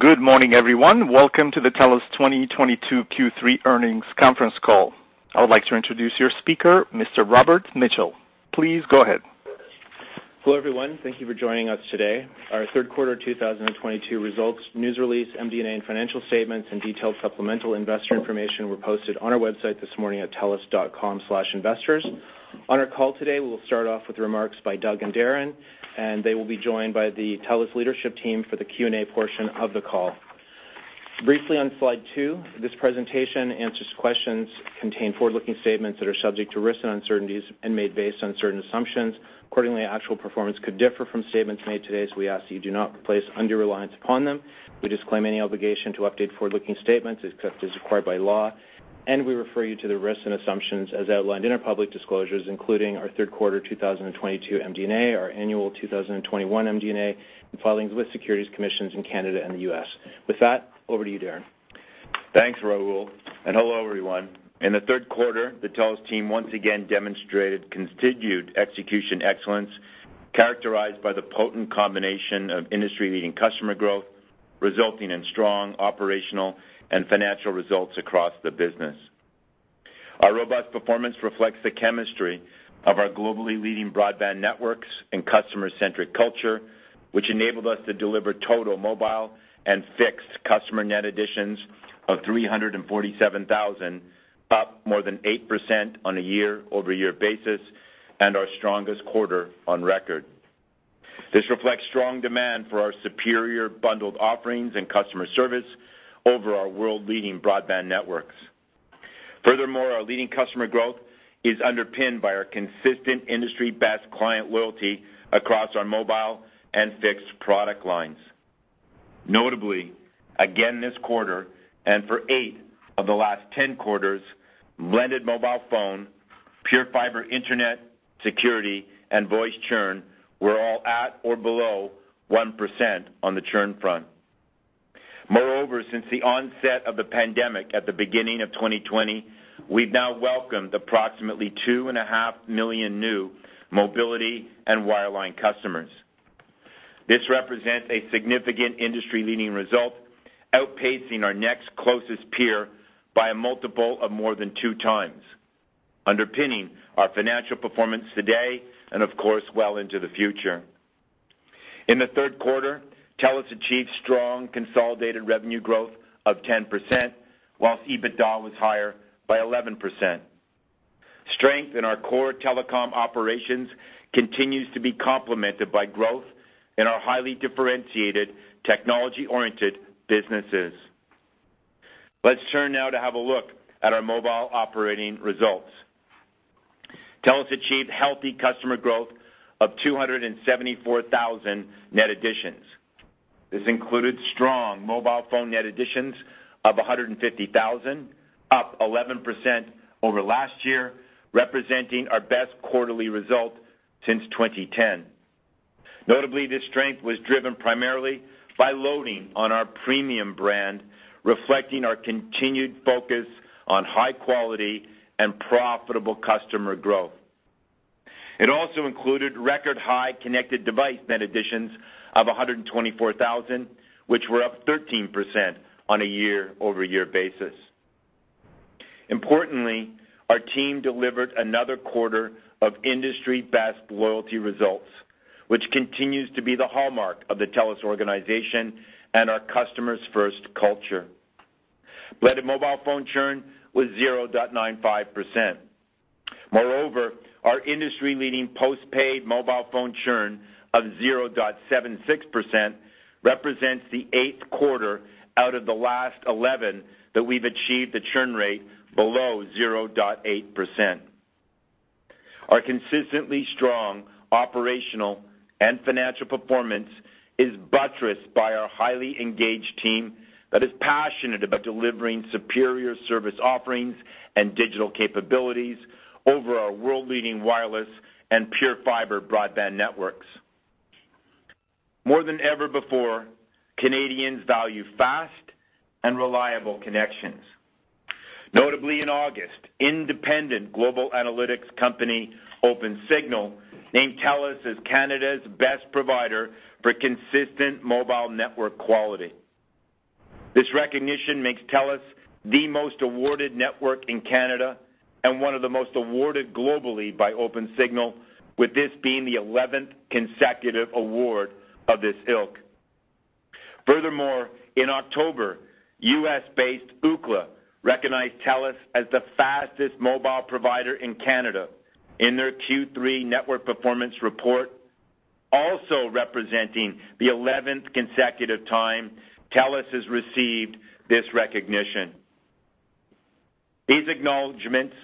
Good morning, everyone. Welcome to the TELUS 2022 Third Quarter Earnings Conference Call. I would like to introduce your speaker, Mr. Robert Mitchell. Please go ahead. Hello, everyone. Thank you for joining us today. Our third quarter 2022 results, news release, MD&A, and financial statements and detailed supplemental investor information were posted on our website this morning at telus.com/investors. On our call today, we'll start off with remarks by Doug and Darren, and they will be joined by the TELUS leadership team for the Q&A portion of the call. Briefly on slide two, this presentation and answers to questions contain forward-looking statements that are subject to risks and uncertainties and made based on certain assumptions. Accordingly, actual performance could differ from statements made today, so we ask that you do not place undue reliance upon them. We disclaim any obligation to update forward-looking statements except as required by law, and we refer you to the risks and assumptions as outlined in our public disclosures, including our third quarter 2022 MD&A, our annual 2021 MD&A, and filings with securities commissions in Canada and the US. With that, over to you, Darren. Thanks, Robert, and hello, everyone. In the third quarter, the TELUS team once again demonstrated continued execution excellence, characterized by the potent combination of industry-leading customer growth, resulting in strong operational and financial results across the business. Our robust performance reflects the chemistry of our globally leading broadband networks and customer-centric culture, which enabled us to deliver total mobile and fixed customer net additions of 347,000, up more than 8% on a year-over-year basis and our strongest quarter on record. This reflects strong demand for our superior bundled offerings and customer service over our world-leading broadband networks. Furthermore, our leading customer growth is underpinned by our consistent industry-best client loyalty across our mobile and fixed product lines. Notably, again this quarter, and for eight of the last 10 quarters, blended mobile phone, PureFibre, security, and voice churn were all at or below 1% on the churn front. Moreover, since the onset of the pandemic at the beginning of 2020, we've now welcomed approximately 2.5 million new mobility and wireline customers. This represents a significant industry-leading result, outpacing our next closest peer by a multiple of more than 2x, underpinning our financial performance today and of course, well into the future. In the third quarter, TELUS achieved strong consolidated revenue growth of 10%, while EBITDA was higher by 11%. Strength in our core telecom operations continues to be complemented by growth in our highly differentiated technology-oriented businesses. Let's turn now to have a look at our mobile operating results. TELUS achieved healthy customer growth of 274,000 net additions. This included strong mobile phone net additions of 150,000, up 11% over last year, representing our best quarterly result since 2010. Notably, this strength was driven primarily by loading on our premium brand, reflecting our continued focus on high quality and profitable customer growth. It also included record high connected device net additions of 124,000, which were up 13% on a year-over-year basis. Importantly, our team delivered another quarter of industry-best loyalty results, which continues to be the hallmark of the TELUS organization and our customers first culture. Blended mobile phone churn was 0.95%. Moreover, our industry-leading postpaid mobile phone churn of 0.76% represents the eighth quarter out of the last 11 that we've achieved the churn rate below 0.8%. Our consistently strong operational and financial performance is buttressed by our highly engaged team that is passionate about delivering superior service offerings and digital capabilities over our world-leading wireless and pure fiber broadband networks. More than ever before, Canadians value fast and reliable connections. Notably in August, independent global analytics company, Opensignal, named TELUS as Canada's best provider for consistent mobile network quality. This recognition makes TELUS the most awarded network in Canada and one of the most awarded globally by Opensignal, with this being the 11th consecutive award of this ilk. Furthermore, in October, US-based Ookla recognized TELUS as the fastest mobile provider in Canada in their third quarter network performance report, also representing the eleventh consecutive time TELUS has received this recognition. These acknowledgments,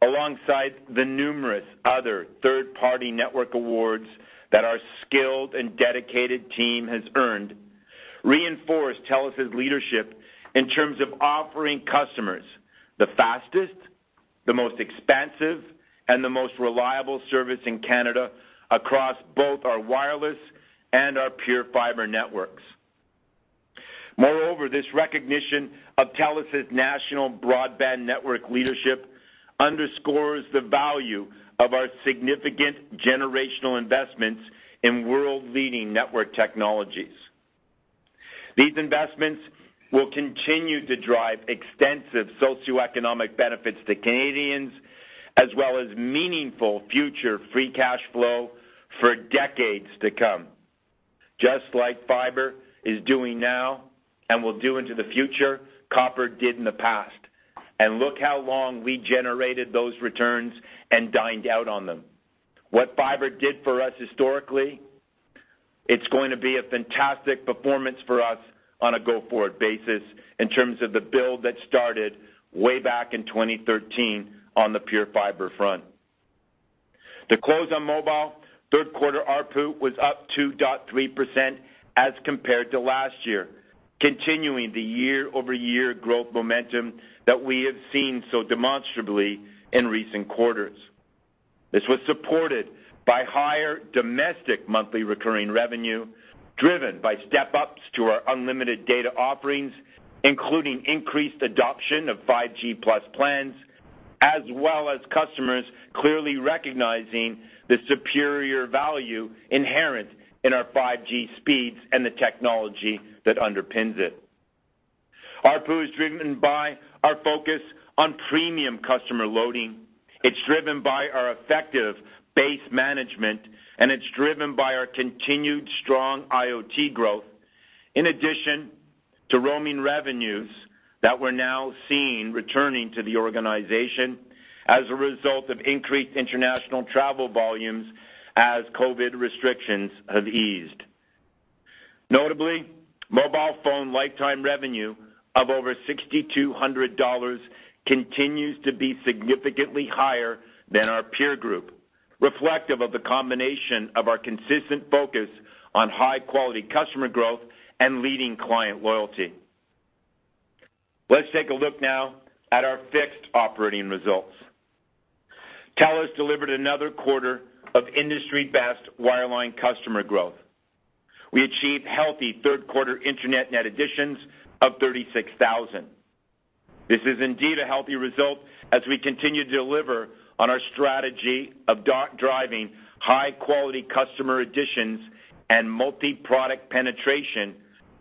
alongside the numerous other third-party network awards that our skilled and dedicated team has earned, reinforce TELUS's leadership in terms of offering customers the fastest, the most expansive, and the most reliable service in Canada across both our wireless and our pure fiber networks. Moreover, this recognition of TELUS's national broadband network leadership underscores the value of our significant generational investments in world-leading network technologies. These investments will continue to drive extensive socioeconomic benefits to Canadians, as well as meaningful future free cash flow for decades to come. Just like fiber is doing now and will do into the future, copper did in the past and look how long we generated those returns and dined out on them. What fiber did for us historically, it's going to be a fantastic performance for us on a go-forward basis in terms of the build that started way back in 2013 on the PureFibre front. To close on mobile, third quarter ARPU was up 2.3% as compared to last year, continuing the year-over-year growth momentum that we have seen so demonstrably in recent quarters. This was supported by higher domestic monthly recurring revenue, driven by step-ups to our unlimited data offerings, including increased adoption of 5G+ plans, as well as customers clearly recognizing the superior value inherent in our 5G speeds and the technology that underpins it. ARPU is driven by our focus on premium customer loading. It's driven by our effective base management, and it's driven by our continued strong IoT growth. In addition to roaming revenues that we're now seeing returning to the organization as a result of increased international travel volumes as COVID restrictions have eased. Notably, mobile phone lifetime revenue of over 6,200 dollars continues to be significantly higher than our peer group, reflective of the combination of our consistent focus on high-quality customer growth and leading client loyalty. Let's take a look now at our fixed operating results. TELUS delivered another quarter of industry-best wireline customer growth. We achieved healthy third-quarter internet net additions of 36,000. This is indeed a healthy result as we continue to deliver on our strategy of driving high-quality customer additions and multiproduct penetration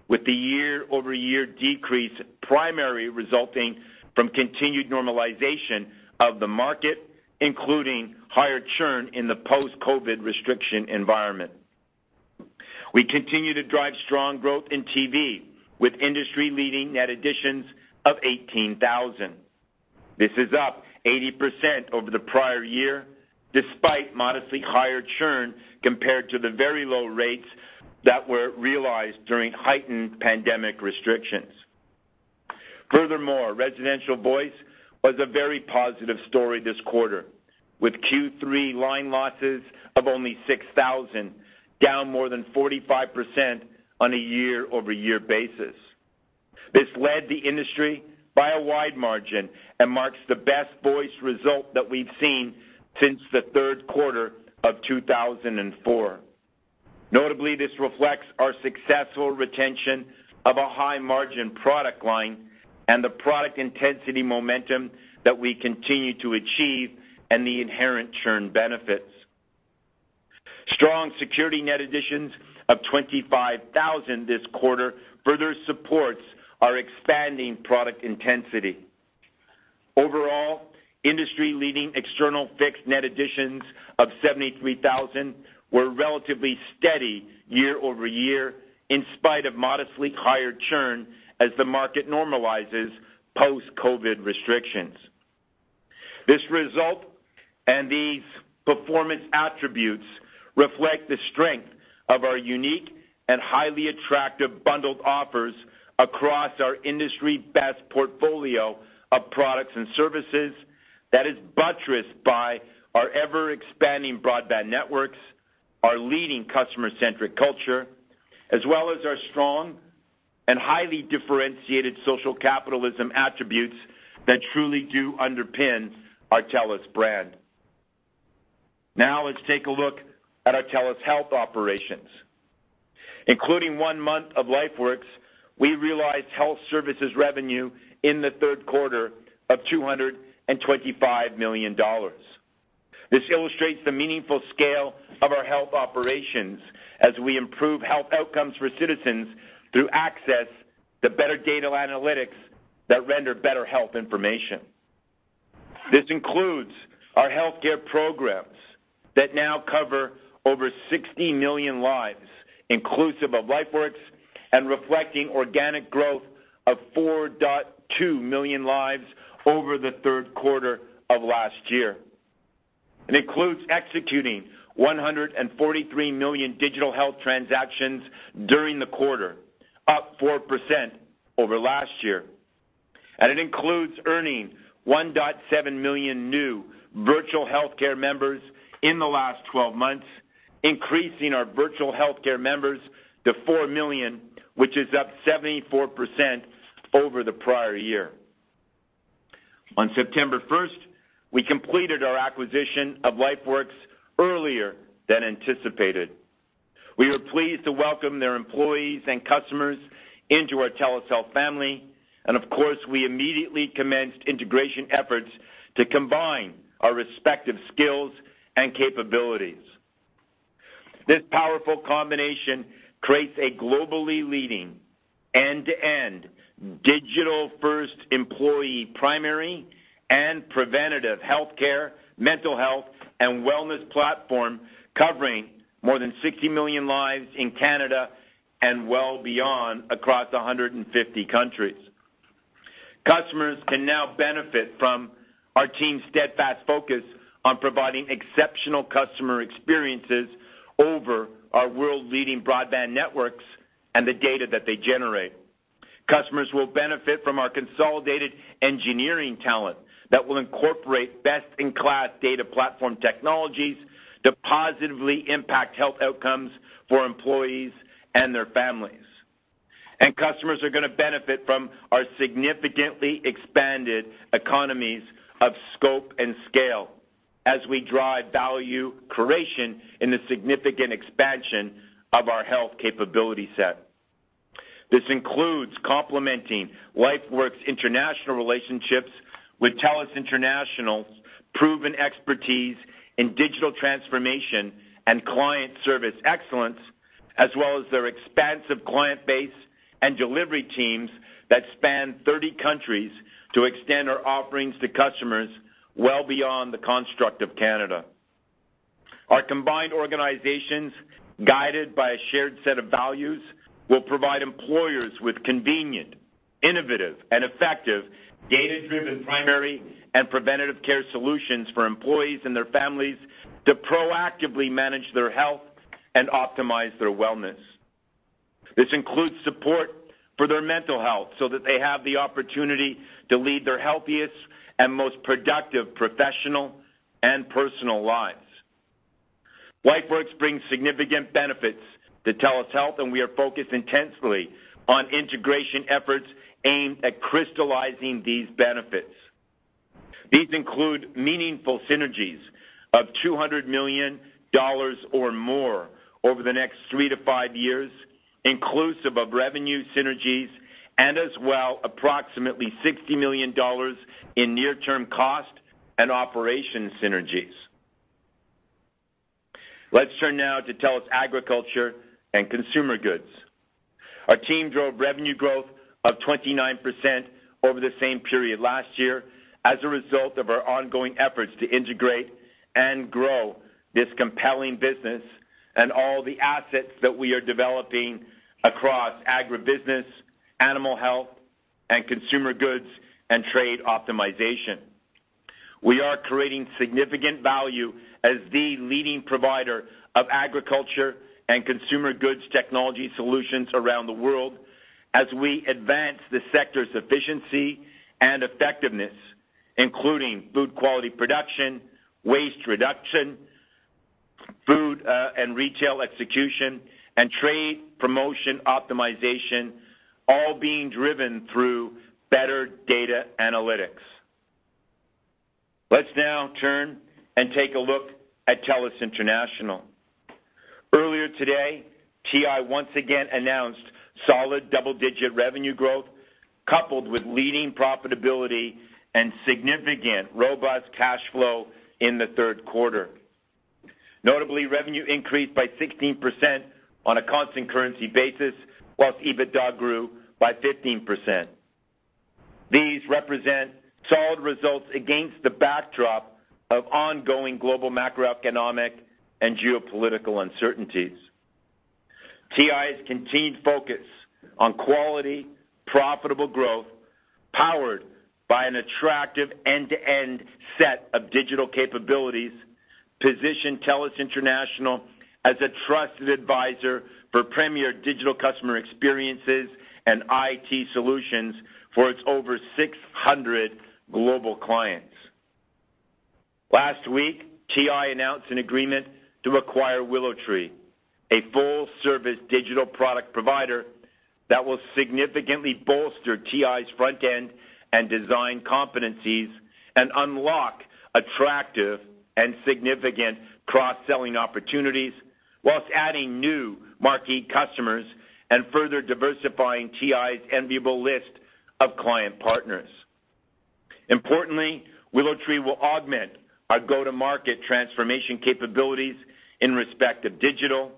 with the year-over-year decrease primarily resulting from continued normalization of the market, including higher churn in the post-COVID restriction environment. We continue to drive strong growth in TV with industry-leading net additions of 18,000. This is up 80% over the prior year, despite modestly higher churn compared to the very low rates that were realized during heightened pandemic restrictions. Furthermore, residential voice was a very positive story this quarter, with third quarter line losses of only 6,000, down more than 45% on a year-over-year basis. This led the industry by a wide margin and marks the best voice result that we've seen since the third quarter of 2004. Notably, this reflects our successful retention of a high-margin product line and the product intensity momentum that we continue to achieve and the inherent churn benefits. Strong security net additions of 25,000 this quarter further supports our expanding product intensity. Overall, industry-leading external fixed net additions of 73,000 were relatively steady year-over-year in spite of modestly higher churn as the market normalizes post-COVID restrictions. This result and these performance attributes reflect the strength of our unique and highly attractive bundled offers across our industry-best portfolio of products and services that is buttressed by our ever-expanding broadband networks, our leading customer-centric culture, as well as our strong and highly differentiated social capitalism attributes that truly do underpin our TELUS brand. Now let's take a look at our TELUS Health operations. Including one month of LifeWorks, we realized health services revenue in the third quarter of 225 million dollars. This illustrates the meaningful scale of our health operations as we improve health outcomes for citizens through access to better data analytics that render better health information. This includes our healthcare programs that now cover over 60 million lives, inclusive of LifeWorks and reflecting organic growth of 4.2 million lives over the third quarter of last year. It includes executing 143 million digital health transactions during the quarter, up 4% over last year. It includes earning 1.7 million new virtual healthcare members in the last 12 months, increasing our virtual healthcare members to 4 million, which is up 74% over the prior year. On September first, we completed our acquisition of LifeWorks earlier than anticipated. We are pleased to welcome their employees and customers into our TELUS Health family, and of course, we immediately commenced integration efforts to combine our respective skills and capabilities. This powerful combination creates a globally leading, end-to-end digital first employee primary and preventative healthcare, mental health, and wellness platform covering more than 60 million lives in Canada and well beyond across 150 countries. Customers can now benefit from our team's steadfast focus on providing exceptional customer experiences over our world-leading broadband networks and the data that they generate. Customers will benefit from our consolidated engineering talent that will incorporate best-in-class data platform technologies to positively impact health outcomes for employees and their families. Customers are gonna benefit from our significantly expanded economies of scope and scale as we drive value creation in the significant expansion of our health capability set. This includes complementing LifeWorks international relationships with TELUS International's proven expertise in digital transformation and client service excellence, as well as their expansive client base and delivery teams that span 30 countries to extend our offerings to customers well beyond the construct of Canada. Our combined organizations, guided by a shared set of values, will provide employers with convenient, innovative and effective data-driven primary and preventative care solutions for employees and their families to proactively manage their health and optimize their wellness. This includes support for their mental health so that they have the opportunity to lead their healthiest and most productive professional and personal lives. LifeWorks brings significant benefits to TELUS Health, and we are focused intensely on integration efforts aimed at crystallizing these benefits. These include meaningful synergies of 200 million dollars or more over the next three to five years, inclusive of revenue synergies and as well approximately 60 million dollars in near-term cost and operational synergies. Let's turn now to TELUS Agriculture & Consumer Goods. Our team drove revenue growth of 29% over the same period last year as a result of our ongoing efforts to integrate and grow this compelling business and all the assets that we are developing across agribusiness, animal health and consumer goods and trade optimization. We are creating significant value as the leading provider of agriculture and consumer goods technology solutions around the world as we advance the sector's efficiency and effectiveness, including food quality production, waste reduction, food, and retail execution, and trade promotion optimization, all being driven through better data analytics. Let's now turn and take a look at TELUS International. Earlier today, TI once again announced solid double-digit revenue growth, coupled with leading profitability and significant robust cash flow in the third quarter. Notably, revenue increased by 16% on a constant currency basis, while EBITDA grew by 15%. These represent solid results against the backdrop of ongoing global macroeconomic and geopolitical uncertainties. TI's continued focus on quality, profitable growth, powered by an attractive end-to-end set of digital capabilities, position TELUS International as a trusted advisor for premier digital customer experiences and IT solutions for its over 600 global clients. Last week, TI announced an agreement to acquire WillowTree, a full-service digital product provider that will significantly bolster TI's front-end and design competencies and unlock attractive and significant cross-selling opportunities while adding new marquee customers and further diversifying TI's enviable list of client partners. Importantly, WillowTree will augment our go-to-market transformation capabilities in respect of digital,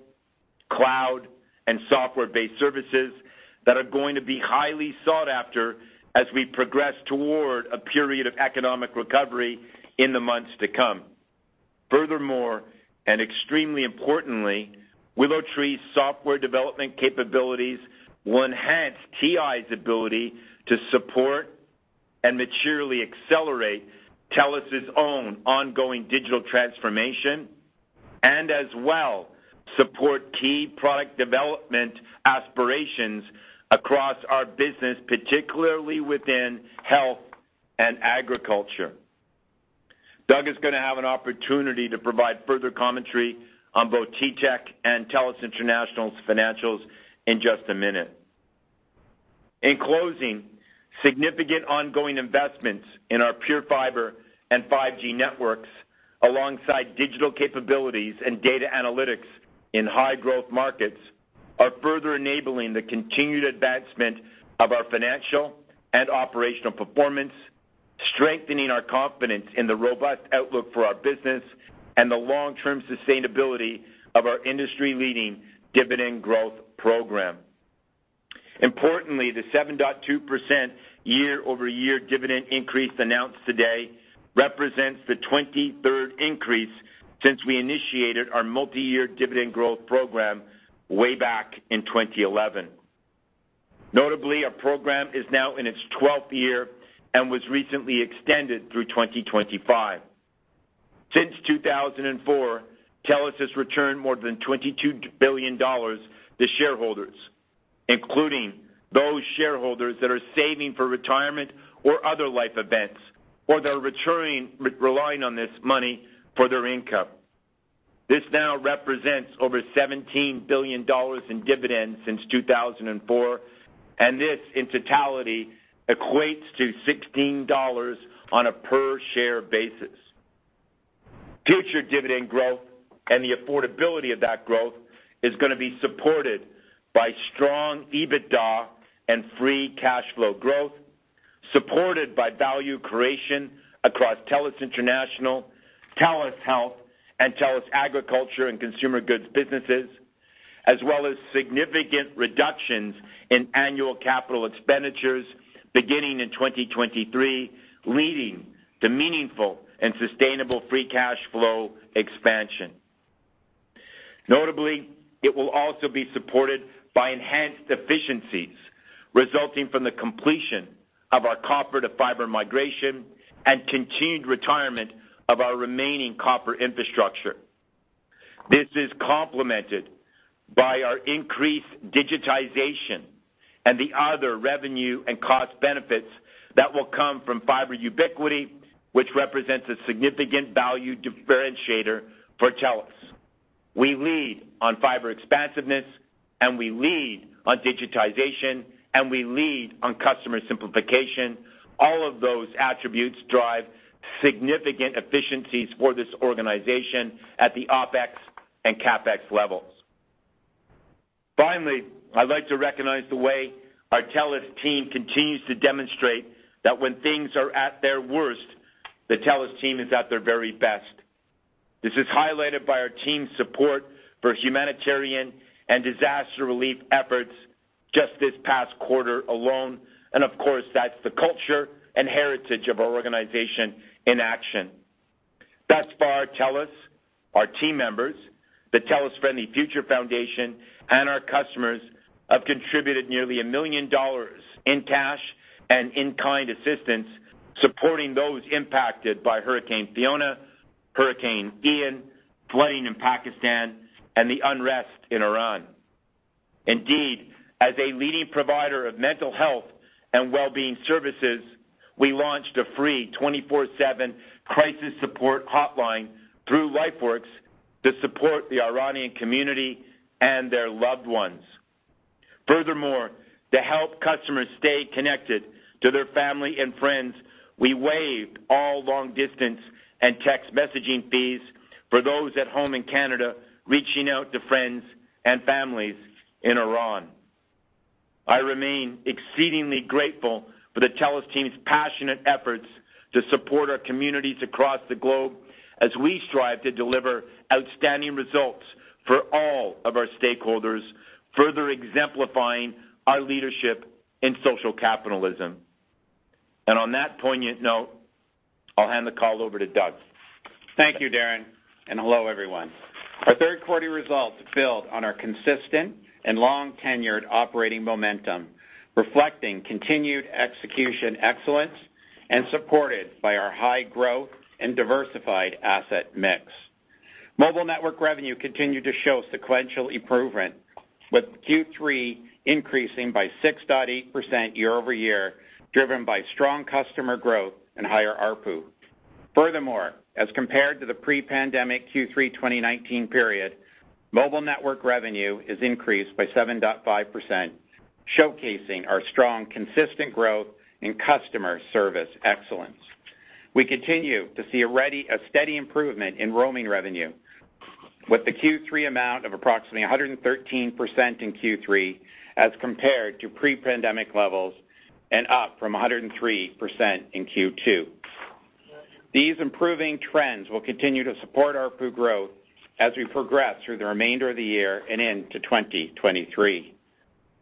cloud, and software-based services that are going to be highly sought after as we progress toward a period of economic recovery in the months to come. Furthermore, and extremely importantly, WillowTree's software development capabilities will enhance TI's ability to support and materially accelerate TELUS' own ongoing digital transformation and as well support key product development aspirations across our business, particularly within health and agriculture. Doug is going to have an opportunity to provide further commentary on both TTech and TELUS International's financials in just a minute. In closing, significant ongoing investments in our pure fiber and 5G networks, alongside digital capabilities and data analytics in high-growth markets, are further enabling the continued advancement of our financial and operational performance, strengthening our confidence in the robust outlook for our business and the long-term sustainability of our industry-leading dividend growth program. Importantly, the 7.2% year-over-year dividend increase announced today represents the 23rd increase since we initiated our multiyear dividend growth program way back in 2011. Notably, our program is now in its 12th year and was recently extended through 2025. Since 2004, TELUS has returned more than 22 billion dollars to shareholders, including those shareholders that are saving for retirement or other life events, or they're relying on this money for their income. This now represents over 17 billion dollars in dividends since 2004, and this, in totality, equates to 16 billion dollars on a per-share basis. Future dividend growth and the affordability of that growth is going to be supported by strong EBITDA and free cash flow growth, supported by value creation across TELUS International, TELUS Health, and TELUS Agriculture and Consumer Goods businesses, as well as significant reductions in annual capital expenditures beginning in 2023, leading to meaningful and sustainable free cash flow expansion. Notably, it will also be supported by enhanced efficiencies resulting from the completion of our copper-to-fiber migration and continued retirement of our remaining copper infrastructure. This is complemented by our increased digitization and the other revenue and cost benefits that will come from fiber ubiquity, which represents a significant value differentiator for TELUS. We lead on fiber expansiveness, and we lead on digitization, and we lead on customer simplification. All of those attributes drive significant efficiencies for this organization at the OpEx and CapEx levels. Finally, I'd like to recognize the way our TELUS team continues to demonstrate that when things are at their worst, the TELUS team is at their very best. This is highlighted by our team's support for humanitarian and disaster relief efforts just this past quarter alone, and of course, that's the culture and heritage of our organization in action. Thus far, TELUS, our team members, the TELUS Friendly Future Foundation, and our customers have contributed nearly 1 million dollars in cash and in-kind assistance, supporting those impacted by Hurricane Fiona, Hurricane Ian, flooding in Pakistan, and the unrest in Iran. Indeed, as a leading provider of mental health and wellbeing services, we launched a free 24/7 crisis support hotline through LifeWorks to support the Iranian community and their loved ones. Furthermore, to help customers stay connected to their family and friends, we waived all long distance and text messaging fees for those at home in Canada reaching out to friends and families in Iran. I remain exceedingly grateful for the TELUS team's passionate efforts to support our communities across the globe as we strive to deliver outstanding results for all of our stakeholders, further exemplifying our leadership in social capitalism. On that poignant note, I'll hand the call over to Doug. Thank you, Darren, and hello, everyone. Our third-quarter results build on our consistent and long-tenured operating momentum, reflecting continued execution excellence and supported by our high growth and diversified asset mix. Mobile network revenue continued to show sequential improvement, with third quarter increasing by 6.8% year-over-year, driven by strong customer growth and higher ARPU. Furthermore, as compared to the pre-pandemic third quarter 2019 period, mobile network revenue is increased by 7.5%, showcasing our strong, consistent growth in customer service excellence. We continue to see a steady improvement in roaming revenue, with the third quarter amount of approximately 113% in third quarter as compared to pre-pandemic levels and up from 103% in second quarter. These improving trends will continue to support ARPU growth as we progress through the remainder of the year and into 2023.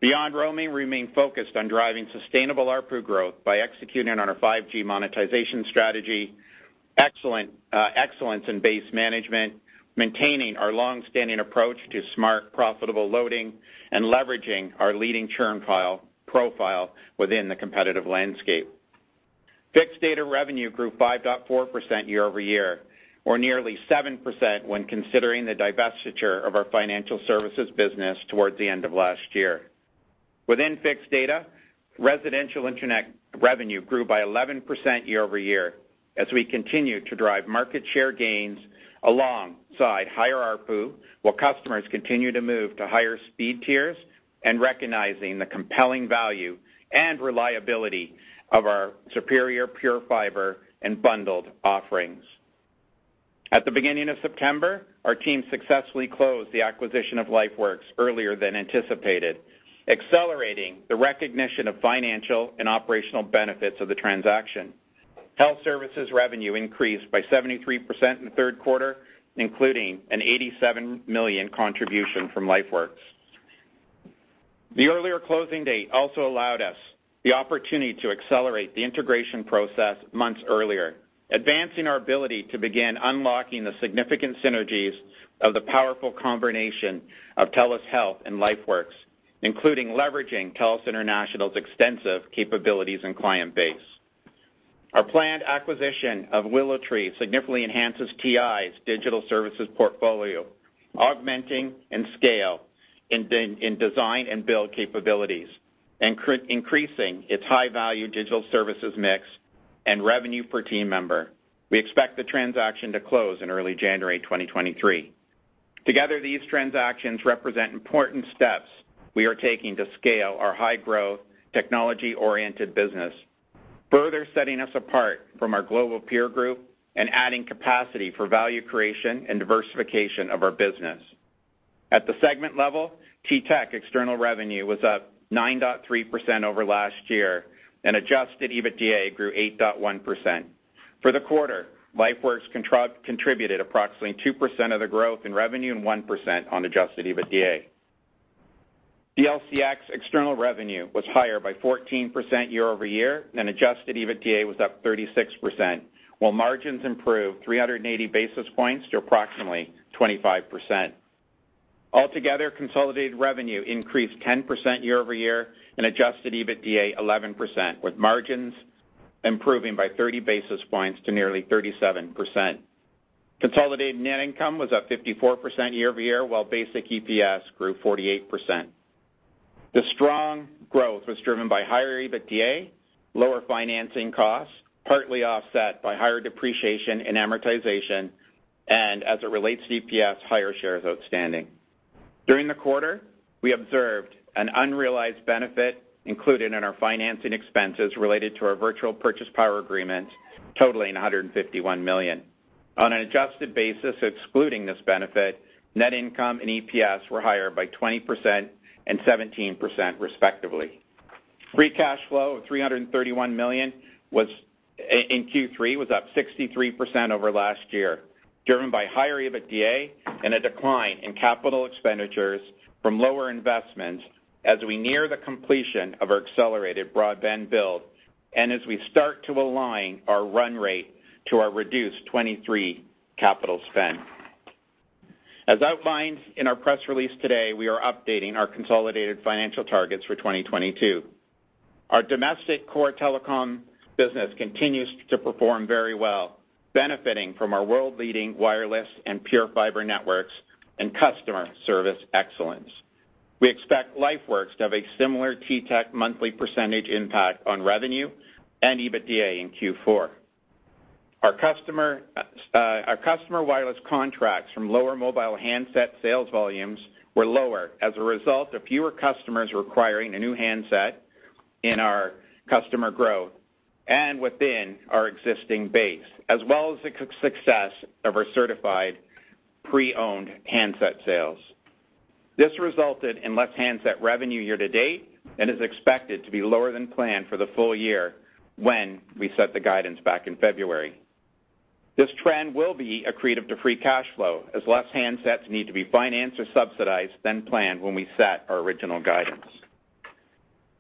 Beyond roaming, we remain focused on driving sustainable ARPU growth by executing on our 5G monetization strategy, excellence in base management, maintaining our long-standing approach to smart, profitable loading, and leveraging our leading churn profile within the competitive landscape. Fixed data revenue grew 5.4% year-over-year, or nearly 7% when considering the divestiture of our financial services business towards the end of last year. Within fixed data, residential internet revenue grew by 11% year-over-year as we continued to drive market share gains alongside higher ARPU, while customers continue to move to higher speed tiers and recognizing the compelling value and reliability of our superior PureFibre and bundled offerings. At the beginning of September, our team successfully closed the acquisition of LifeWorks earlier than anticipated, accelerating the recognition of financial and operational benefits of the transaction. Health services revenue increased by 73% in the third quarter, including a 87 million contribution from LifeWorks. The earlier closing date also allowed us the opportunity to accelerate the integration process months earlier, advancing our ability to begin unlocking the significant synergies of the powerful combination of TELUS Health and LifeWorks, including leveraging TELUS International's extensive capabilities and client base. Our planned acquisition of WillowTree significantly enhances TI's digital services portfolio, augmenting and scaling in design and build capabilities and increasing its high-value digital services mix and revenue per team member. We expect the transaction to close in early January 2023. Together, these transactions represent important steps we are taking to scale our high-growth, technology-oriented business, further setting us apart from our global peer group and adding capacity for value creation and diversification of our business. At the segment level, TTech external revenue was up 9.3% year-over-year, and adjusted EBITDA grew 8.1%. For the quarter, LifeWorks contributed approximately 2% of the growth in revenue and 1% on adjusted EBITDA. DLCX external revenue was higher by 14% year-over-year, and adjusted EBITDA was up 36%, while margins improved 380-basis points to approximately 25%. Altogether, consolidated revenue increased 10% year-over-year and adjusted EBITDA 11%, with margins improving by 30-basis points to nearly 37%. Consolidated net income was up 54% year-over-year, while basic EPS grew 48%. The strong growth was driven by higher EBITDA, lower financing costs, partly offset by higher depreciation and amortization, and as it relates to EPS, higher shares outstanding. During the quarter, we observed an unrealized benefit included in our financing expenses related to our Virtual Purchase Power Agreement totaling 151 million. On an adjusted basis, excluding this benefit, net income and EPS were higher by 20% and 17% respectively. Free cash flow of 331 million in third quarter was up 63% over last year, driven by higher EBITDA and a decline in capital expenditures from lower investments as we near the completion of our accelerated broadband build and as we start to align our run rate to our reduced 2023 capital spend. As outlined in our press release today, we are updating our consolidated financial targets for 2022. Our domestic core telecom business continues to perform very well, benefiting from our world-leading wireless and PureFibre networks and customer service excellence. We expect LifeWorks to have a similar TTech monthly percentage impact on revenue and EBITDA in fourth quarter. Our customer wireless contracts from lower mobile handset sales volumes were lower as a result of fewer customers requiring a new handset in our customer growth and within our existing base, as well as the success of our Certified Pre-owned handset sales. This resulted in less handset revenue year to date and is expected to be lower than planned for the full year when we set the guidance back in February. This trend will be accretive to free cash flow as less handsets need to be financed or subsidized than planned when we set our original guidance.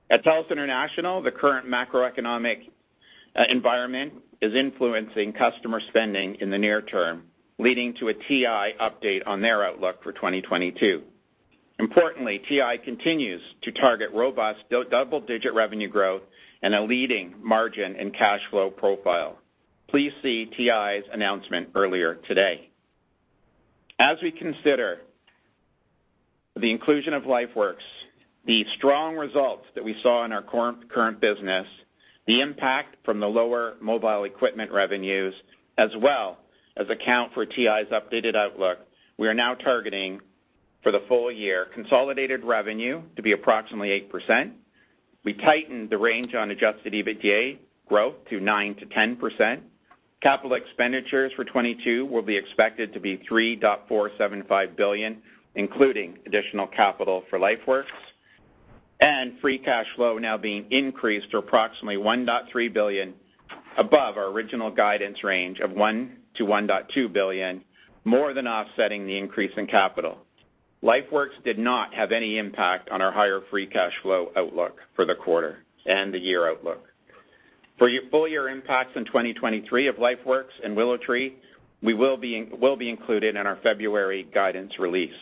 At TELUS International, the current macroeconomic environment is influencing customer spending in the near term, leading to a TI update on their outlook for 2022. Importantly, TI continues to target robust double-digit revenue growth and a leading margin and cash flow profile. Please see TI's announcement earlier today. As we consider the inclusion of LifeWorks, the strong results that we saw in our current business, the impact from the lower mobile equipment revenues, as well as account for TI's updated outlook, we are now targeting for the full year consolidated revenue to be approximately 8%. We tightened the range on adjusted EBITDA growth to 9% to 10%. Capital expenditures for 2022 will be expected to be 3.475 billion, including additional capital for LifeWorks. Free cash flow now being increased to approximately 1.3 billion above our original guidance range of 1 to 1.2 billion, more than offsetting the increase in capital. LifeWorks did not have any impact on our higher free cash flow outlook for the quarter and the year outlook. For full year impacts in 2023 of LifeWorks and WillowTree, we will be included in our February guidance release.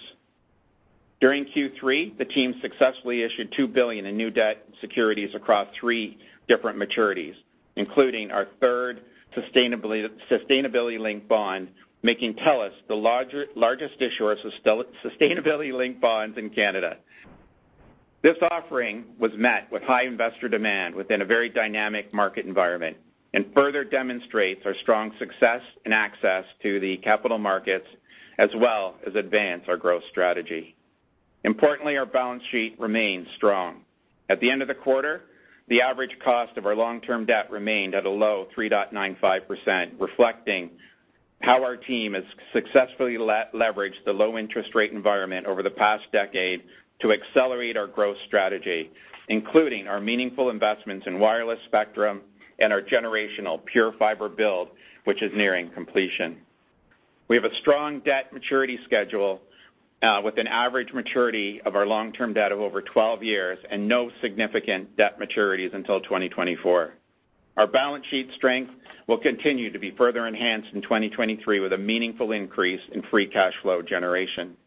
During third quarter, the team successfully issued 2 billion in new debt securities across three different maturities. Including our third sustainability-linked bond, making TELUS the largest issuer of sustainability-linked bonds in Canada. This offering was met with high investor demand within a very dynamic market environment and further demonstrates our strong success and access to the capital markets as well as advance our growth strategy. Importantly, our balance sheet remains strong. At the end of the quarter, the average cost of our long-term debt remained at a low 3.95%, reflecting how our team has successfully leveraged the low-interest rate environment over the past decade to accelerate our growth strategy, including our meaningful investments in wireless spectrum and our generational pure fiber build, which is nearing completion. We have a strong debt maturity schedule, with an average maturity of our long-term debt of over 12 years and no significant debt maturities until 2024. Our balance sheet strength will continue to be further enhanced in 2023 with a meaningful increase in free cash flow generation.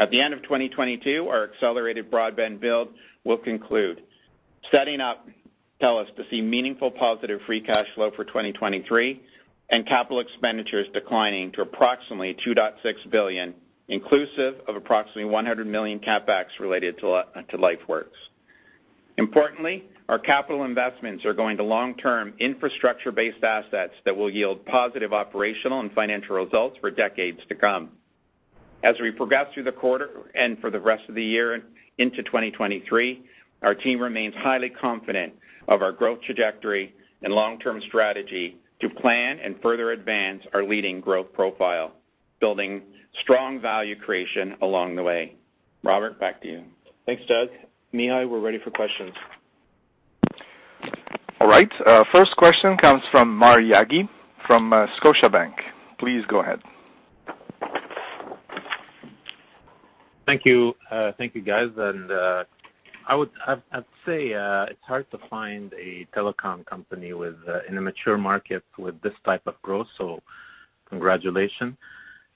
At the end of 2022, our accelerated broadband build will conclude, setting up TELUS to see meaningful positive free cash flow for 2023 and capital expenditures declining to approximately 2.6 billion, inclusive of approximately 100 million CapEx related to LifeWorks. Importantly, our capital investments are going to long-term infrastructure-based assets that will yield positive operational and financial results for decades to come. As we progress through the quarter and for the rest of the year into 2023, our team remains highly confident of our growth trajectory and long-term strategy to plan and further advance our leading growth profile, building strong value creation along the way. Robert, back to you. Thanks, Doug. Mihai, we're ready for questions. All right. First question comes from Maher Yaghi from Scotiabank. Please go ahead. Thank you. Thank you guys. I'd say it's hard to find a telecom company within a mature market with this type of growth, so congratulations.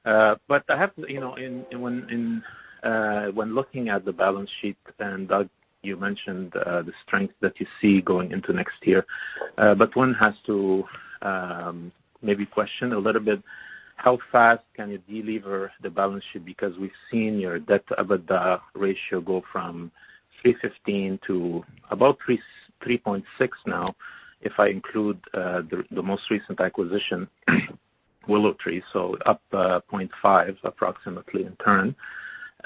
I have, you know, when looking at the balance sheet, and Doug, you mentioned the strength that you see going into next year. One has to maybe question a little bit how fast can you delever the balance sheet. Because we've seen your debt-EBITDA ratio go from 3.15 to about 3.6 now, if I include the most recent acquisition, WillowTree, so up 0.5 approximately in turn.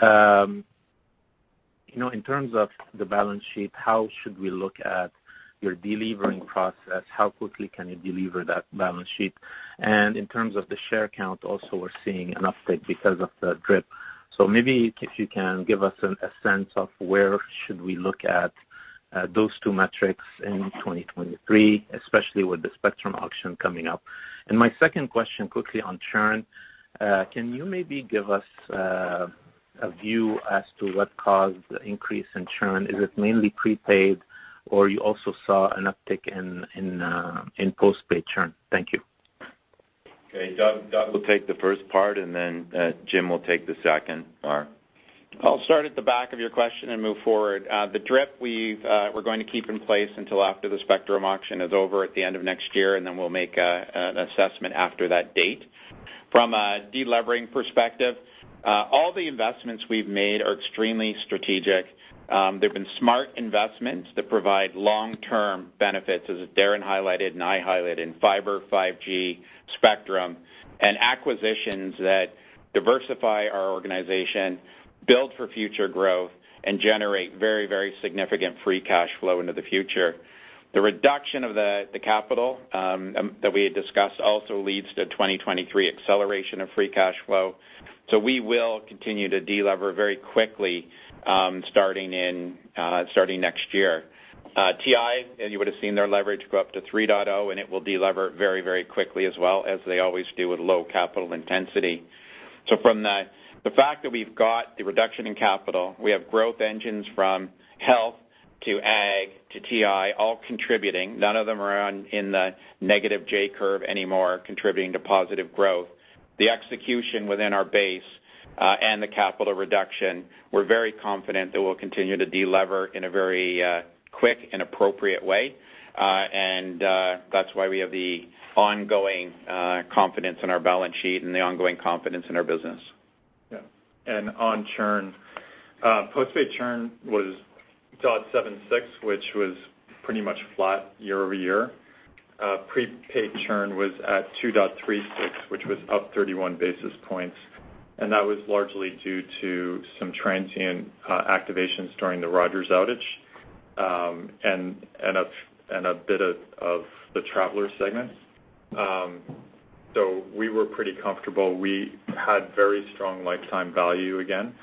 You know, in terms of the balance sheet, how should we look at your delevering process. How quickly can you delever that balance sheet. In terms of the share count, also we're seeing an uptick because of the DRIP. Maybe if you can give us a sense of where should we look at those two metrics in 2023, especially with the spectrum auction coming up. My second question, quickly on churn. Can you maybe give us a view as to what caused the increase in churn? Is it mainly prepaid or you also saw an uptick in postpaid churn? Thank you. Okay. Doug... [inaudible] Will take the first part, and then, Jim will take the secon. I'll start at the back of your question and move forward. The DRIP we're going to keep in place until after the spectrum auction is over at the end of next year, and then we'll make, an assessment after that date. From a delevering perspective, all the investments we've made are extremely strategic. They've been smart investments that provide long-term benefits, as Darren highlighted and I highlighted, in fiber, 5G, spectrum, and acquisitions that diversify our organization, build for future growth, and generate very, very significant free cash flow into the future. The reduction of the capital that we had discussed also leads to 2023 acceleration of free cash flow. We will continue to delever very quickly, starting next year. TI, as you would've seen their leverage go up to 3.0, and it will delever very, very quickly as well, as they always do with low capital intensity. From the fact that we've got the reduction in capital, we have growth engines from health to ag, to TI, all contributing. None of them are in the negative J curve anymore, contributing to positive growth. The execution within our base, and the capital reduction, we're very confident that we'll continue to delever in a very quick and appropriate way. And, that's why we have the ongoing confidence in our balance sheet and the ongoing confidence in our business. Yeah. On churn. Postpaid churn was 0.76, which was pretty much flat year over year. Prepaid churn was at 2.36, which was up 31-basis points, and that was largely due to some transient activations during the Rogers outage, and a bit of the traveler segment. We were pretty comfortable. We had very strong lifetime value again.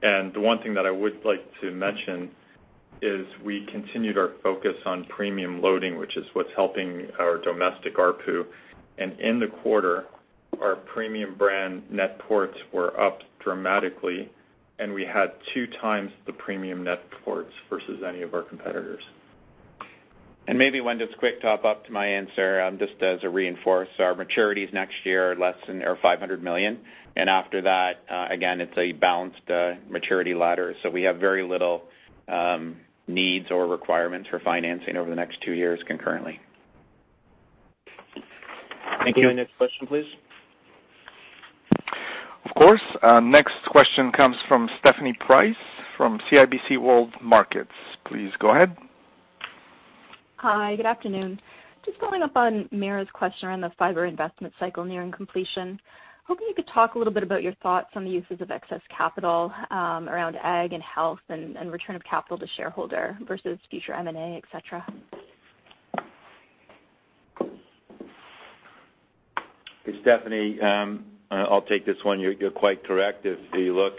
The one thing that I would like to mention is we continued our focus on premium loading, which is what's helping our domestic ARPU. In the quarter, our premium brand net ports were up dramatically, and we had 2x the premium net ports versus any of our competitors. Maybe one just quick top up to my answer, just as a reinforcement. Our maturities next year are less than or 500 million. After that, again, it's a balanced maturity ladder. We have very little needs or requirements for financing over the next two years concurrently. Thank you. Next question, please. Of course. Next question comes from Stephanie Price from CIBC World Markets. Please go ahead. Hi, good afternoon. Just following up on Maher's question around the fiber investment cycle nearing completion. Hoping you could talk a little bit about your thoughts on the uses of excess capital, around ag and health and return of capital to shareholder versus future M&A, et cetera. Hey, Stephanie. I'll take this one. You're quite correct. If you look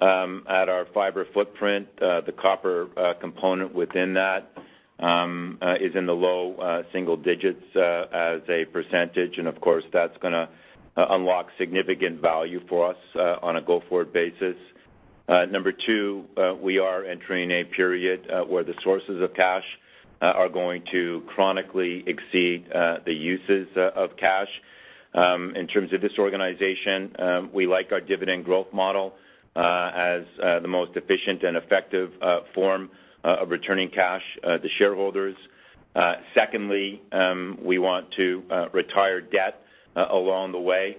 at our fiber footprint, the copper component within that is in the low single digits%. Of course, that's gonna unlock significant value for us on a go-forward basis. Number two, we are entering a period where the sources of cash are going to chronically exceed the uses of cash. In terms of this organization, we like our dividend growth model as the most efficient and effective form of returning cash to shareholders. Secondly, we want to retire debt along the way.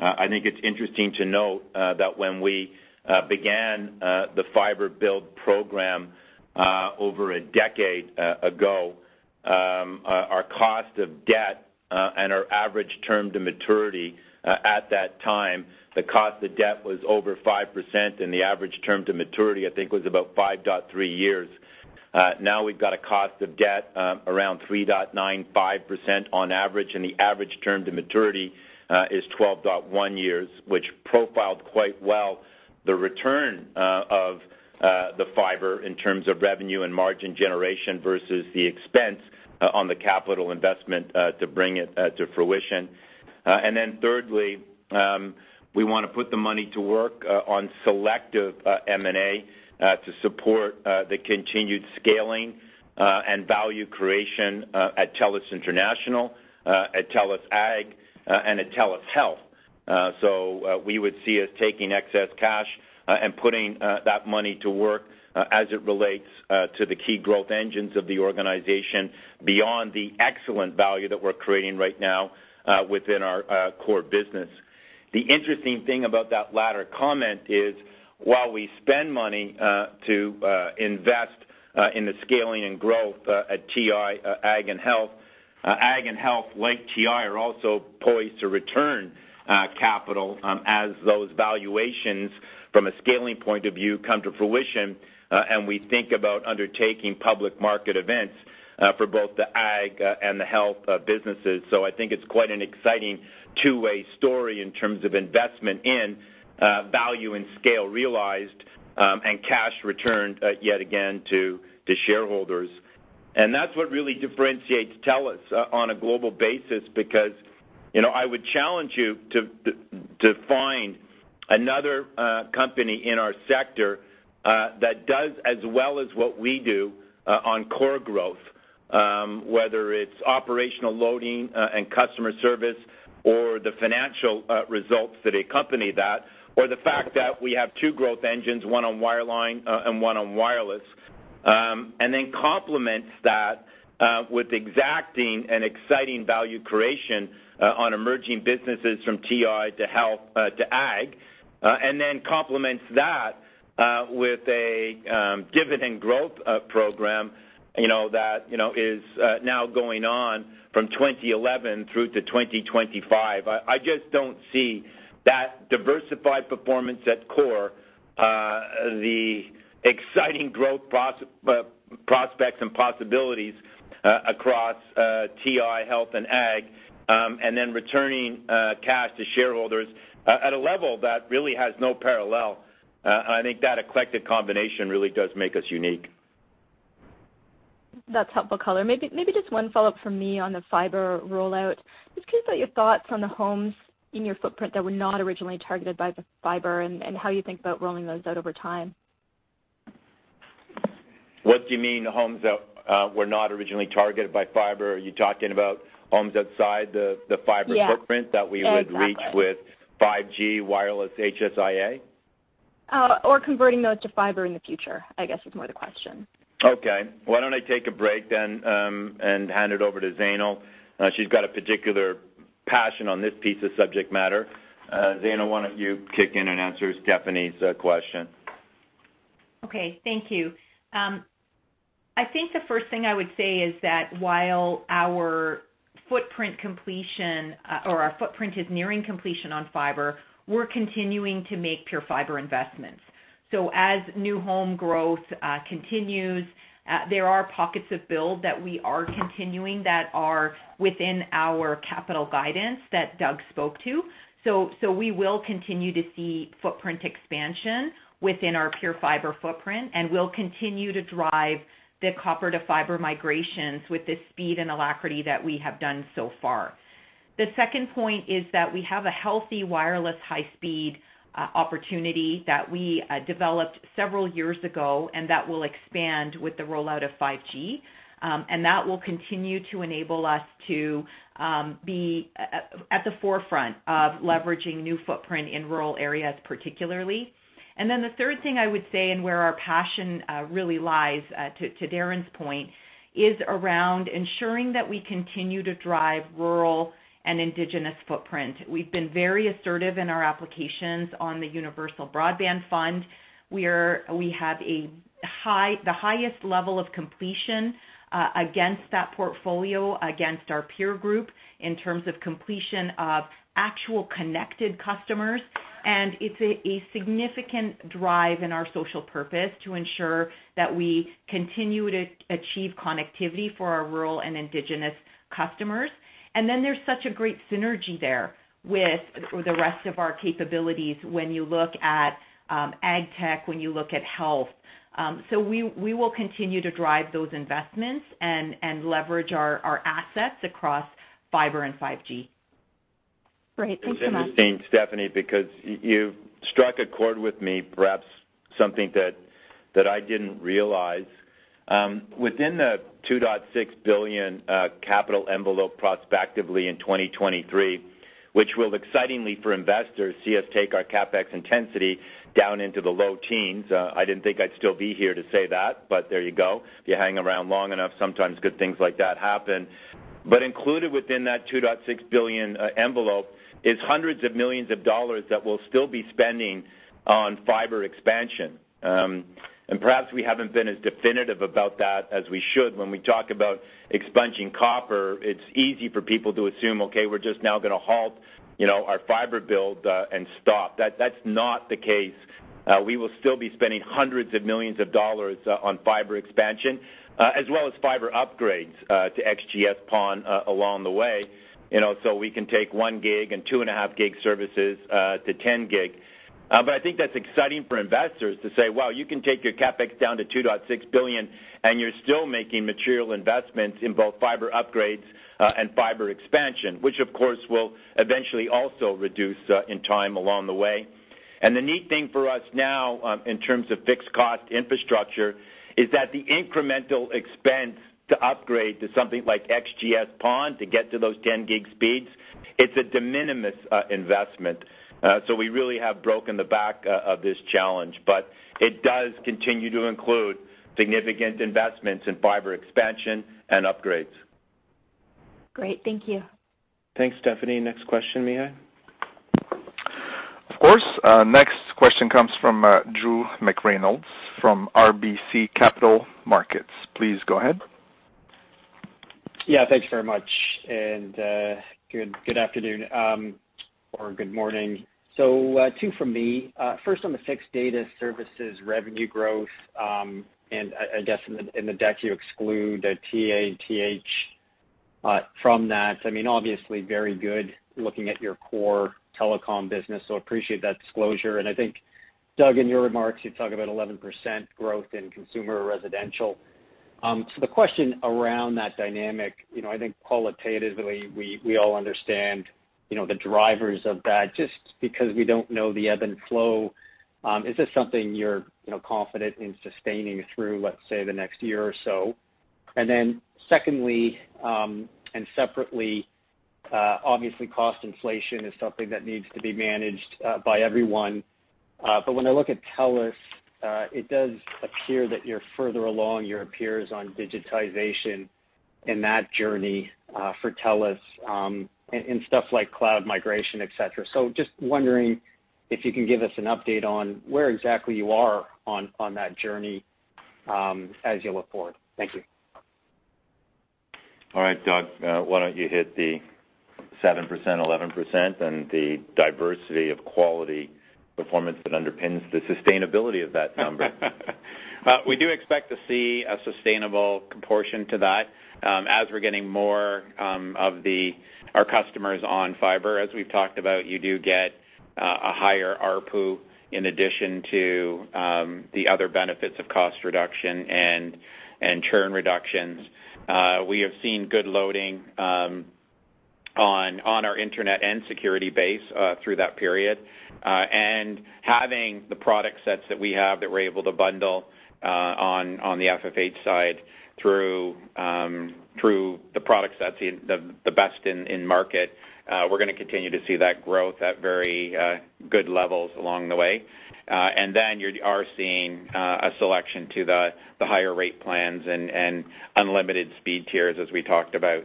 I think it's interesting to note that when we began the fiber build program over a decade ago, our cost of debt and our average term to maturity at that time, the cost of debt was over 5%, and the average term to maturity, I think, was about 5.3 years. Now we've got a cost of debt around 3.95% on average, and the average term to maturity is 12.1 years, which profiled quite well the return of the fiber in terms of revenue and margin generation versus the expense on the capital investment to bring it to fruition. Thirdly, we wanna put the money to work on selective M&A to support the continued scaling and value creation at TELUS International, at TELUS Ag, and at TELUS Health. We would see us taking excess cash and putting that money to work as it relates to the key growth engines of the organization beyond the excellent value that we're creating right now within our core business. The interesting thing about that latter comment is while we spend money to invest in the scaling and growth at TI, Ag and Health like TI are also poised to return capital as those valuations from a scaling point of view come to fruition and we think about undertaking public market events for both the Ag and the Health businesses. I think it's quite an exciting two-way story in terms of investment and value and scale realized and cash returned yet again to shareholders. That's what really differentiates TELUS on a global basis because, you know, I would challenge you to find another company in our sector that does as well as what we do on core growth, whether it's operational leading and customer service or the financial results that accompany that or the fact that we have two growth engines, one on wireline and one on wireless. Then complements that with executing and exciting value creation on emerging businesses from TI to Health to Ag, and then complements that with a dividend growth program, you know, that is now going on from 2011 through to 2025. I just don't see that diversified performance at core, the exciting growth prospects and possibilities across TI, Health, and Ag, and then returning cash to shareholders at a level that really has no parallel. I think that eclectic combination really does make us unique. That's helpful color. Maybe just one follow-up from me on the fiber rollout. Just curious about your thoughts on the homes in your footprint that were not originally targeted by the fiber and how you think about rolling those out over time. What do you mean the homes that were not originally targeted by fiber? Are you talking about homes outside the fiber... Yeah. Footprint that we would reach with 5G wireless HSIA? Converting those to fiber in the future, I guess, is more the question. Okay. Why don't I take a break then, and hand it over to Zainul? She's got a particular passion on this piece of subject matter. Zainul, why don't you kick in and answer Stephanie's question? Okay, thank you. I think the first thing I would say is that while our footprint completion, or our footprint is nearing completion on fiber, we're continuing to make PureFibre investments. As new home growth continues, there are pockets of build that we are continuing that are within our capital guidance that Doug spoke to. We will continue to see footprint expansion within our PureFibre footprint, and we'll continue to drive the copper to fiber migrations with the speed and alacrity that we have done so far. The second point is that we have a healthy wireless high-speed opportunity that we developed several years ago and that will expand with the rollout of 5G. That will continue to enable us to be at the forefront of leveraging new footprint in rural areas, particularly. The third thing I would say and where our passion really lies, to Darren's point, is around ensuring that we continue to drive rural and indigenous footprint. We've been very assertive in our applications on the Universal Broadband Fund. We have the highest level of completion against that portfolio, against our peer group in terms of completion of actual connected customers. It's a significant drive in our social purpose to ensure that we continue to achieve connectivity for our rural and indigenous customers. There's such a great synergy there with the rest of our capabilities when you look at ag tech, when you look at health. We will continue to drive those investments and leverage our assets across fiber and 5G. Great. Thanks so much. It's interesting, Stephanie, because you've struck a chord with me, perhaps something that I didn't realize. Within the 2.6 billion capital envelope prospectively in 2023, which will excitingly for investors see us take our CapEx intensity down into the low-teens. I didn't think I'd still be here to say that, but there you go. If you hang around long enough, sometimes good things like that happen. Included within that 2.6 billion envelope is hundreds of millions that we'll still be spending on fiber expansion. Perhaps we haven't been as definitive about that as we should. When we talk about expunging copper, it's easy for people to assume, okay, we're just now going to halt, you know, our fiber build and stop. That's not the case. We will still be spending hundreds of millions of CAD on fiber expansion, as well as fiber upgrades, to XGS-PON along the way, you know, so we can take 1 gig and 2.5 gig services, to 10 gig. But I think that's exciting for investors to say, wow, you can take your CapEx down to 2.6 billion, and you're still making material investments in both fiber upgrades, and fiber expansion, which of course will eventually also reduce, in time along the way. The neat thing for us now, in terms of fixed cost infrastructure is that the incremental expense to upgrade to something like XGS-PON to get to those 10 gig speeds, it's a de minimis investment. So, we really have broken the back of this challenge. It does continue to include significant investments in fiber expansion and upgrades. Great. Thank you. Thanks, Stephanie. Next question, Mihai. Of course. Next question comes from Drew McReynolds from RBC Capital Markets. Please go ahead. Yeah, thanks very much. Good afternoon or good morning. Two from me, first on the fixed data services revenue growth, and I guess in the deck, you exclude TA and TH from that. I mean, obviously very good looking at your core telecom business, so appreciate that disclosure. I think, Doug, in your remarks, you talk about 11% growth in consumer residential. The question around that dynamic, you know, I think qualitatively, we all understand, you know, the drivers of that just because we don't know the ebb and flow. Is this something you're, you know, confident in sustaining through, let's say, the next year or so? Then secondly and separately, obviously, cost inflation is something that needs to be managed by everyone. When I look at TELUS, it does appear that you're further along than your peers on digitization and that journey for TELUS in stuff like cloud migration, et cetera. Just wondering if you can give us an update on where exactly you are on that journey as you look forward. Thank you. All right, Doug, why don't you hit the 7%, 11% and the diversity of quality performance that underpins the sustainability of that number. We do expect to see a sustainable proportion to that, as we're getting more of our customers on fiber. As we've talked about, you do get a higher ARPU in addition to the other benefits of cost reduction and churn reductions. We have seen good loading on our internet and security base through that period. Having the product sets that we have that we're able to bundle on the FFH side through the products that's the best in market, we're gonna continue to see that growth at very good levels along the way. You are seeing a selection to the higher rate plans and unlimited speed tiers, as we talked about.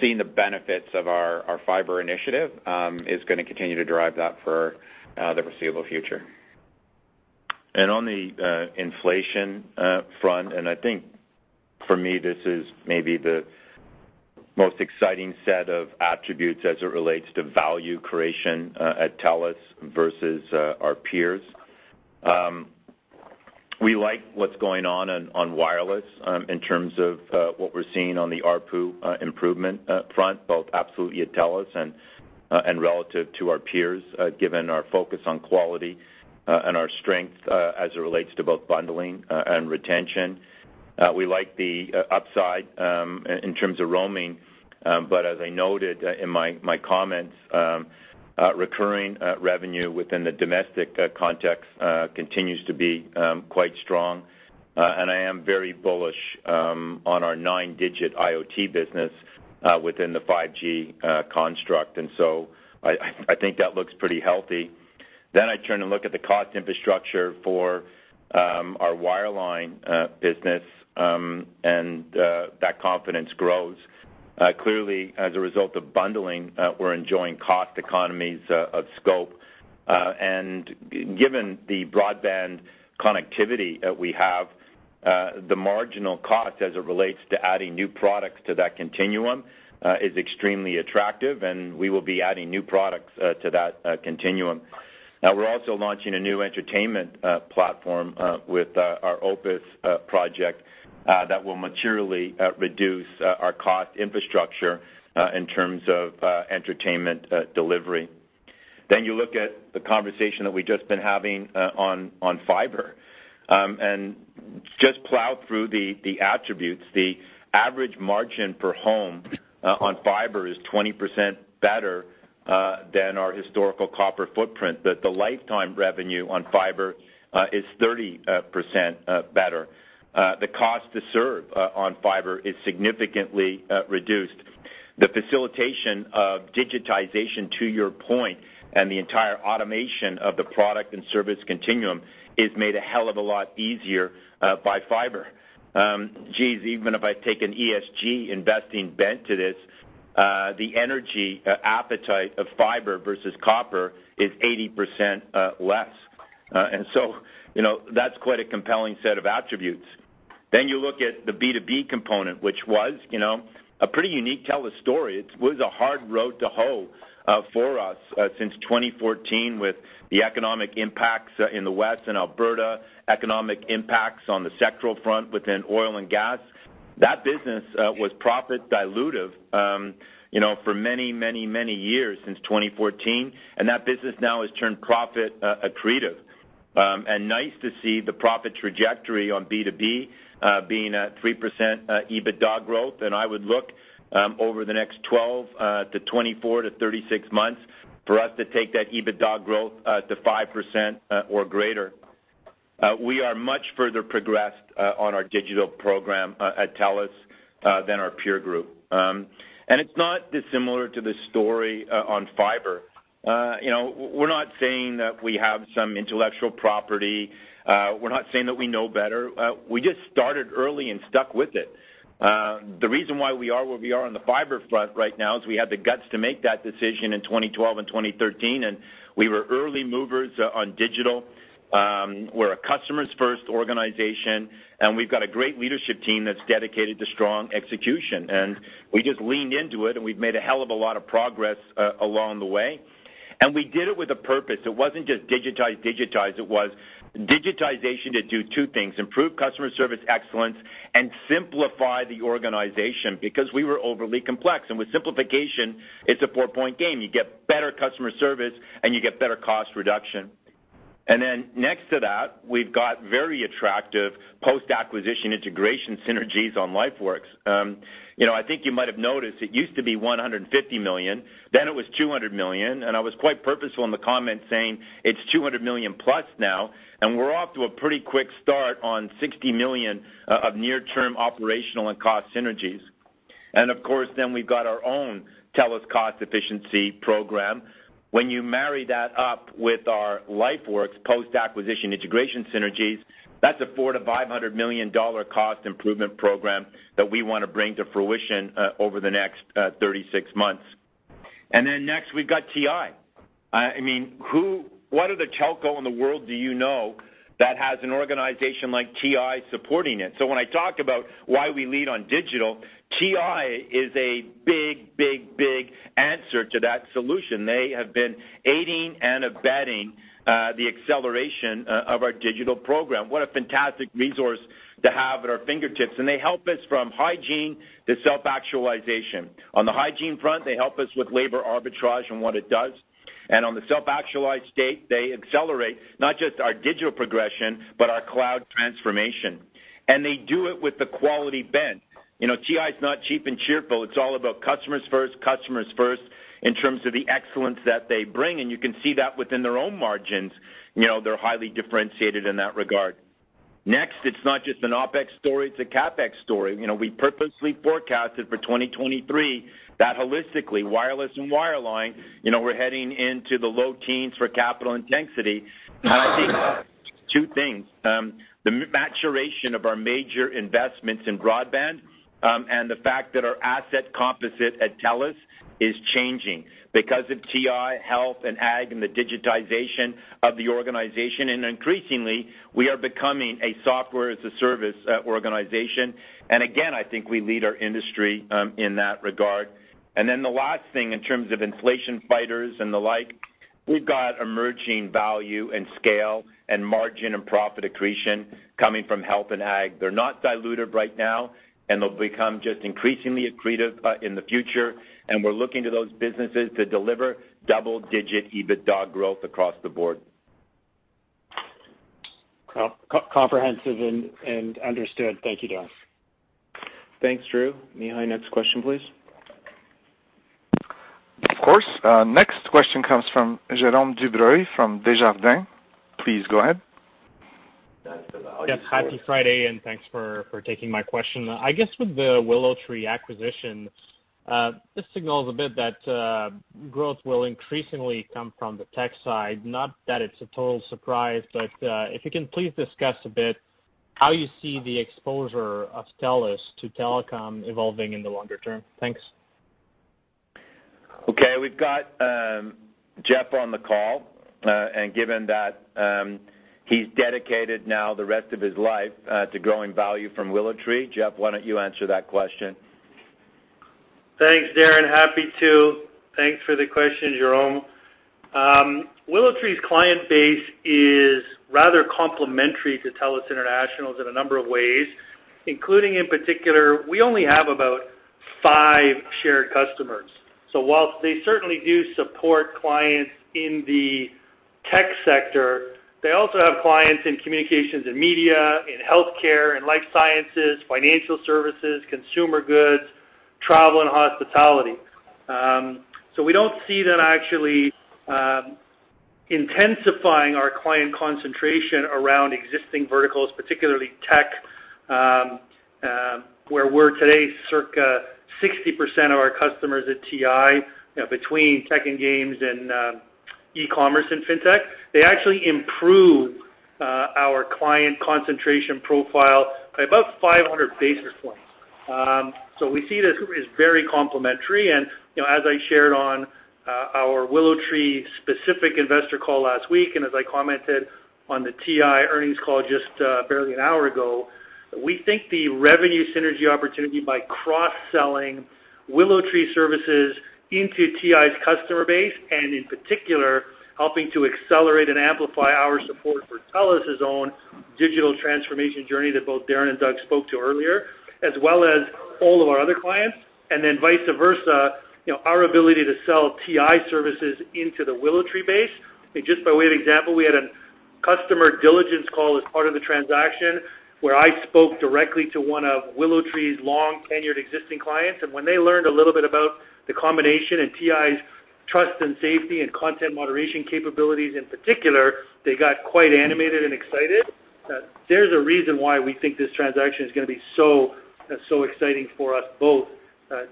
Seeing the benefits of our fiber initiative is gonna continue to drive that for the foreseeable future. On the inflation front, I think for me, this is maybe the most exciting set of attributes as it relates to value creation at TELUS versus our peers. We like what's going on wireless in terms of what we're seeing on the ARPU improvement front, both absolutely at TELUS and relative to our peers, given our focus on quality and our strength as it relates to both bundling and retention. We like the upside in terms of roaming. As I noted in my comments, recurring revenue within the domestic context continues to be quite strong. I am very bullish on our nine-digit IoT business within the 5G construct. I think that looks pretty healthy. I turn and look at the cost infrastructure for our wireline business, and that confidence grows. Clearly, as a result of bundling, we're enjoying cost economies of scope. Given the broadband connectivity that we have, the marginal cost as it relates to adding new products to that continuum is extremely attractive, and we will be adding new products to that continuum. Now, we're also launching a new entertainment platform with our Opus project that will materially reduce our cost infrastructure in terms of entertainment delivery. You look at the conversation that we've just been having on fiber, and just plow through the attributes. The average margin per home on fiber is 20% better than our historical copper footprint, that the lifetime revenue on fiber is 30% better. The cost to serve on fiber is significantly reduced. The facilitation of digitization, to your point, and the entire automation of the product and service continuum is made a hell of a lot easier by fiber. Even if I take an ESG investing bent to this, the energy appetite of fiber versus copper is 80% less. You know, that's quite a compelling set of attributes. You look at the B2B component, which was, you know, a pretty unique TELUS story. It was a hard row to hoe for us since 2014 with the economic impacts in the West and Alberta, economic impacts on the sectoral front within oil and gas. That business was profit dilutive, you know, for many years since 2014, and that business now has turned profit accretive. Nice to see the profit trajectory on B2B being at 3% EBITDA growth. I would look over the next 12-to-24-to-36 months for us to take that EBITDA growth to 5% or greater. We are much further progressed on our digital program at TELUS than our peer group. It's not dissimilar to the story on fiber. You know, we're not saying that we have some intellectual property. We're not saying that we know better. We just started early and stuck with it. The reason why we are where we are on the fiber front right now is we had the guts to make that decision in 2012 and 2013, and we were early movers on digital. We're a customer's first organization, and we've got a great leadership team that's dedicated to strong execution. We just leaned into it and we've made a hell of a lot of progress along the way. We did it with a purpose. It wasn't just digitize. It was digitization to do two things, improve customer service excellence and simplify the organization because we were overly complex. With simplification, it's a four-point game. You get better customer service and you get better cost reduction. Next to that, we've got very attractive post-acquisition integration synergies on LifeWorks. You know, I think you might have noticed it used to be 150 million, then it was 200 million, and I was quite purposeful in the comment saying it's 200 million plus now, and we're off to a pretty quick start on 60 million of near-term operational and cost synergies. Of course, then we've got our own TELUS cost efficiency program. When you marry that up with our LifeWorks post-acquisition integration synergies, that's a 400 to 500 million cost improvement program that we want to bring to fruition over the next 36 months. We've got TI. I mean, what other telco in the world do you know that has an organization like TI supporting it? When I talk about why we lead on digital, TI is a big, big, big answer to that solution. They have been aiding and abetting the acceleration of our digital program. What a fantastic resource to have at our fingertips. They help us from hygiene to self-actualization. On the hygiene front, they help us with labor arbitrage and what it does. On the self-actualized state, they accelerate not just our digital progression, but our cloud transformation. They do it with the quality bent. You know, TI is not cheap and cheerful. It's all about customers first, customers first in terms of the excellence that they bring, and you can see that within their own margins. You know, they're highly differentiated in that regard. Next, it's not just an OpEx story, it's a CapEx story. You know, we purposely forecasted for 2023 that holistically, wireless and wireline, you know, we're heading into the low teens for capital intensity. I think two things, the maturation of our major investments in broadband, and the fact that our asset composite at TELUS is changing because of TI, Health, and Ag, and the digitization of the organization. Increasingly, we are becoming a software-as-a-service organization. Again, I think we lead our industry in that regard. Then the last thing in terms of inflation fighters and the like, we've got emerging value and scale and margin and profit accretion coming from Health and Ag. They're not dilutive right now, and they'll become just increasingly accretive in the future. We're looking to those businesses to deliver double-digit EBITDA growth across the board. Comprehensive and understood. Thank you, Darren. Thanks, Drew. Operator, next question, please. Of course. Next question comes from Jérôme Dubreuil from Desjardins. Please go ahead. Yes, happy Friday, and thanks for taking my question. I guess with the WillowTree acquisition, this signals a bit that growth will increasingly come from the tech side, not that it's a total surprise. If you can please discuss a bit how you see the exposure of TELUS to telecom evolving in the longer term. Thanks. Okay. We've got Jeff on the call. Given that he's dedicated now the rest of his life to growing value from WillowTree, Jeff, why don't you answer that question? Thanks, Darren. Happy to. Thanks for the question, Jerome. WillowTree's client base is rather complementary to TELUS International's in a number of ways, including in particular, we only have about five shared customers. While they certainly do support clients in the tech sector, they also have clients in communications and media, in healthcare, in life sciences, financial services, consumer goods, travel and hospitality. We don't see that actually intensifying our client concentration around existing verticals, particularly tech, where we're today circa 60% of our customers at TI, you know, between tech and games and, e-commerce and fintech. They actually improve our client concentration profile by about 500-basis points. We see this is very complementary. You know, as I shared on our WillowTree specific investor call last week, and as I commented on the TI earnings call just barely an hour ago, we think the revenue synergy opportunity by cross-selling WillowTree services into TI's customer base, and in particular, helping to accelerate and amplify our support for TELUS' own digital transformation journey that both Darren and Doug spoke to earlier, as well as all of our other clients. Then vice versa, you know, our ability to sell TI services into the WillowTree base. I mean, just by way of example, we had a customer diligence call as part of the transaction where I spoke directly to one of WillowTree's long-tenured existing clients. When they learned a little bit about the combination in TI's trust and safety and content moderation capabilities in particular, they got quite animated and excited. There's a reason why we think this transaction is gonna be so exciting for us both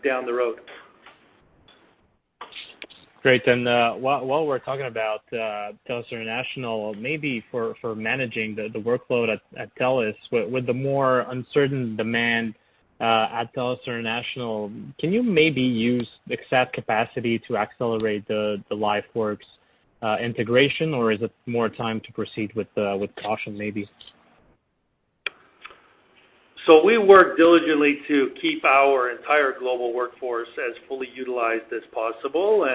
down the road. Great. While we're talking about TELUS International, maybe for managing the workload at TELUS with the more uncertain demand at TELUS International, can you maybe use excess capacity to accelerate the LifeWorks integration, or is it more time to proceed with caution maybe? We work diligently to keep our entire global workforce as fully utilized as possible.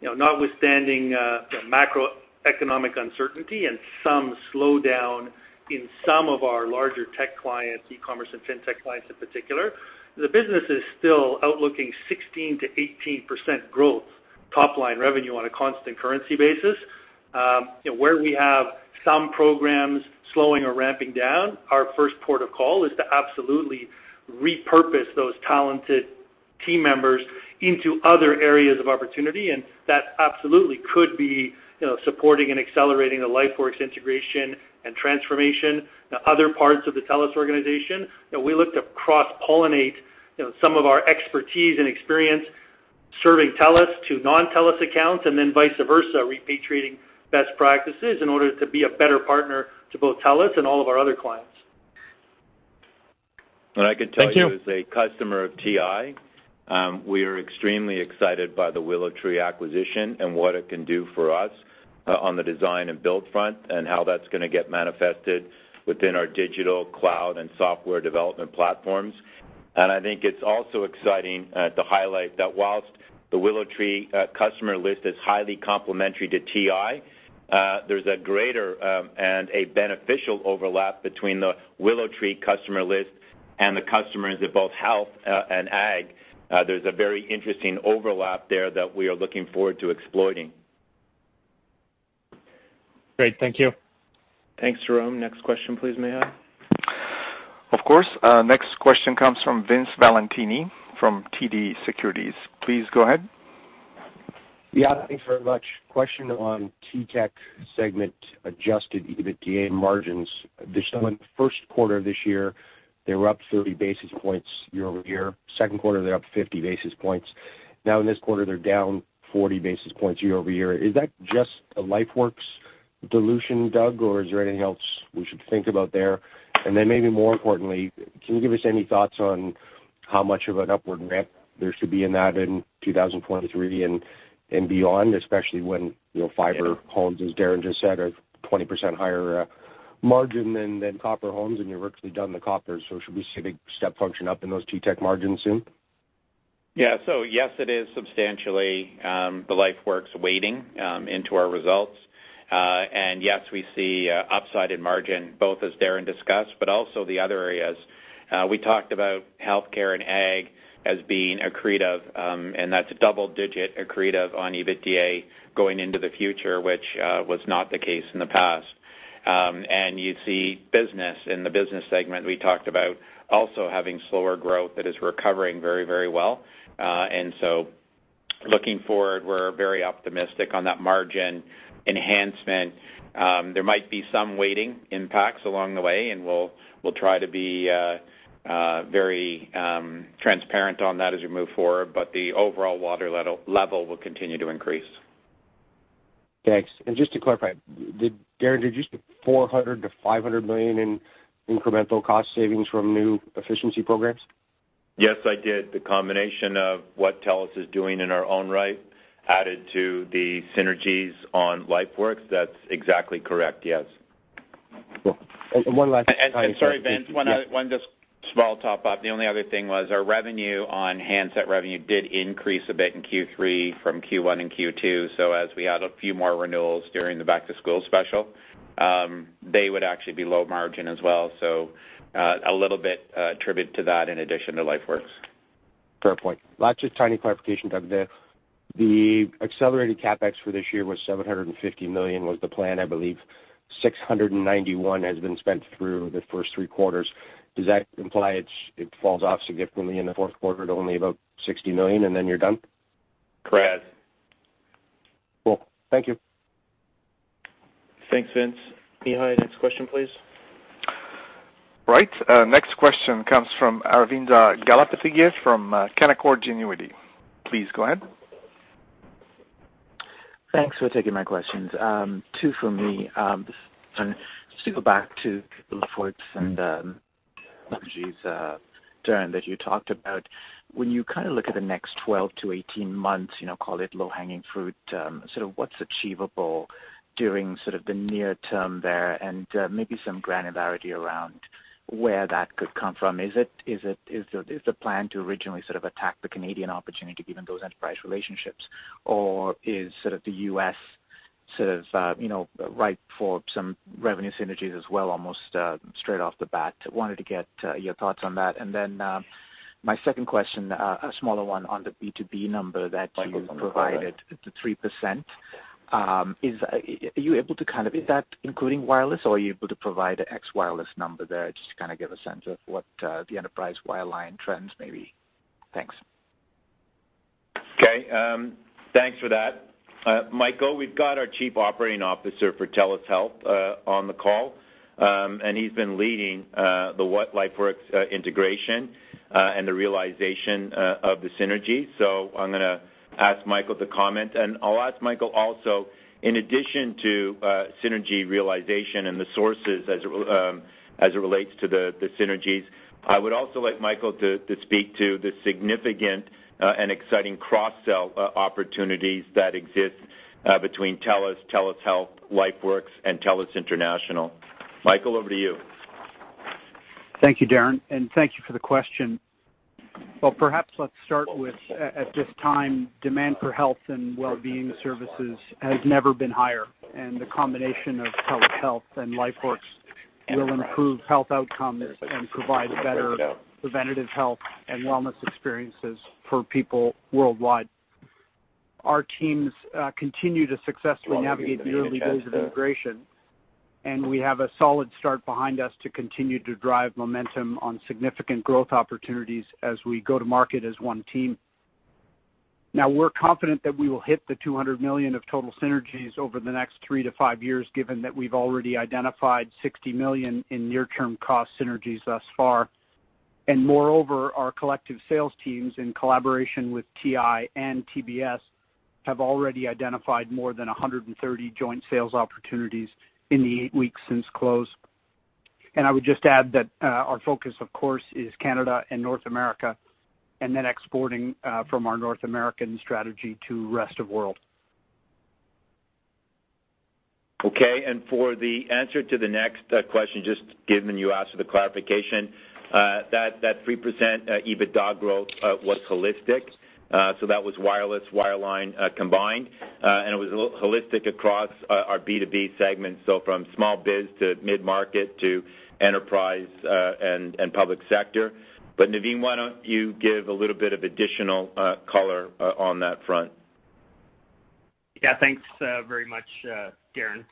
You know, notwithstanding the macroeconomic uncertainty and some slowdown in some of our larger tech clients, e-commerce and fintech clients in particular, the business is still outlooking 16% to 18% growth top line revenue on a constant currency basis. You know, where we have some programs slowing or ramping down, our first port of call is to absolutely repurpose those talented team members into other areas of opportunity, and that absolutely could be, you know, supporting and accelerating the LifeWorks integration and transformation. Now, other parts of the TELUS organization, you know, we look to cross-pollinate, you know, some of our expertise and experience serving TELUS to non-TELUS accounts, and then vice versa, repatriating best practices in order to be a better partner to both TELUS and all of our other clients. I can tell you... Thank you. As a customer of TI, we are extremely excited by the WillowTree acquisition and what it can do for us, on the design and build front and how that's gonna get manifested within our digital cloud and software development platforms. I think it's also exciting to highlight that while the WillowTree customer list is highly complementary to TI, there's a greater and a beneficial overlap between the WillowTree customer list and the customers at both health and ag. There's a very interesting overlap there that we are looking forward to exploiting. Great. Thank you. Thanks, Jerome. Next question, please, Mihai. Of course. Next question comes from Vince Valentini from TD Securities. Please go ahead. Yeah, thanks very much. Question on TTech segment adjusted EBITDA margins. Just on first quarter of this year, they were up 30-basis points year over year. Second quarter, they're up 50-basis points. Now in this quarter, they're down 40-basis points year over year. Is that just a LifeWorks dilution, Doug, or is there anything else we should think about there? And then maybe more importantly, can you give us any thoughts on how much of an upward ramp there should be in that in 2023 and beyond, especially when, you know, fiber homes, as Darren just said, are 20% higher margin than copper homes, and you've virtually done the copper. Should we see a big step function up in those TTech margins soon? Yeah. Yes, it is substantially the LifeWorks weighting into our results. Yes, we see upside in margin, both as Darren discussed, but also the other areas. We talked about healthcare and ag as being accretive, and that's double digit accretive on EBITDA going into the future, which was not the case in the past. You see business in the business segment we talked about also having slower growth that is recovering very, very well. Looking forward, we're very optimistic on that margin enhancement. There might be some weighting impacts along the way, and we'll try to be very transparent on that as we move forward, but the overall water level will continue to increase. Thanks. Just to clarify, Darren, did you say 400 to 500 million in incremental cost savings from new efficiency programs? Yes, I did. The combination of what TELUS is doing in our own right added to the synergies on LifeWorks, that's exactly correct, yes. Cool... Sorry, Vince. One just small top up. The only other thing was our revenue on handset revenue did increase a bit in third quarter from first quarter and second quarter. As we add a few more renewals during the back-to-school special, they would actually be low margin as well. A little bit attributed to that in addition to LifeWorks. Fair point. That's just a tiny clarification, Doug. The accelerated CapEx for this year was 750 million was the plan, I believe. 691 million has been spent through the first three quarters. Does that imply it falls off significantly in the fourth quarter to only about 60 million and then you're done? Correct. Cool. Thank you. Thanks, Vince. Mihai, next question, please. Right. Next question comes from Aravinda Galappatthige from Canaccord Genuity. Please go ahead. Thanks for taking my questions. Two for me. Just to go back to LifeWorks and synergies, Darren, that you talked about. When you kind of look at the next 12 to 18 months, you know, call it low-hanging fruit, sort of what's achievable during sort of the near term there, and maybe some granularity around where that could come from. Is the plan to originally sort of attack the Canadian opportunity given those enterprise relationships? Or is the US sort of ripe for some revenue synergies as well, almost straight off the bat? Wanted to get your thoughts on that. My second question, a smaller one on the B2B number that you provided, the 3%. Is that including wireless, or are you able to provide an ex wireless number there just to kind of give a sense of what the enterprise wireline trends may be? Thanks. Okay. Thanks for that. Michael, we've got our Chief Operating Officer for TELUS Health on the call, and he's been leading the LifeWorks integration and the realization of the synergy. I'm gonna ask Michael to comment, and I'll ask Michael also, in addition to synergy realization and the sources of it as it relates to the synergies, I would also like Michael to speak to the significant and exciting cross-sell opportunities that exist between TELUS Health, LifeWorks, and TELUS International. Michael, over to you. Thank you, Darren, and thank you for the question. Well, perhaps let's start with at this time, demand for health and well-being services has never been higher, and the combination of TELUS Health and LifeWorks will improve health outcomes and provide better preventative health and wellness experiences for people worldwide. Our teams continue to successfully navigate the early days of integration, and we have a solid start behind us to continue to drive momentum on significant growth opportunities as we go to market as one team. Now, we're confident that we will hit 200 million of total synergies over the next three to five years, given that we've already identified 60 million in near-term cost synergies thus far. Moreover, our collective sales teams in collaboration with TI and TBS have already identified more than 130 joint sales opportunities in the eight weeks since close. I would just add that our focus of course is Canada and North America and then exporting from our North American strategy to rest of world. Okay. For the answer to the next question, just given you asked for the clarification, that 3% EBITDA growth was holistic. So that was wireless, wireline, combined, and it was holistic across our B2B segments, so from small biz to mid-market to enterprise, and public sector. But Navin, why don't you give a little bit of additional color on that front? Yeah. Thanks, very much, Darren.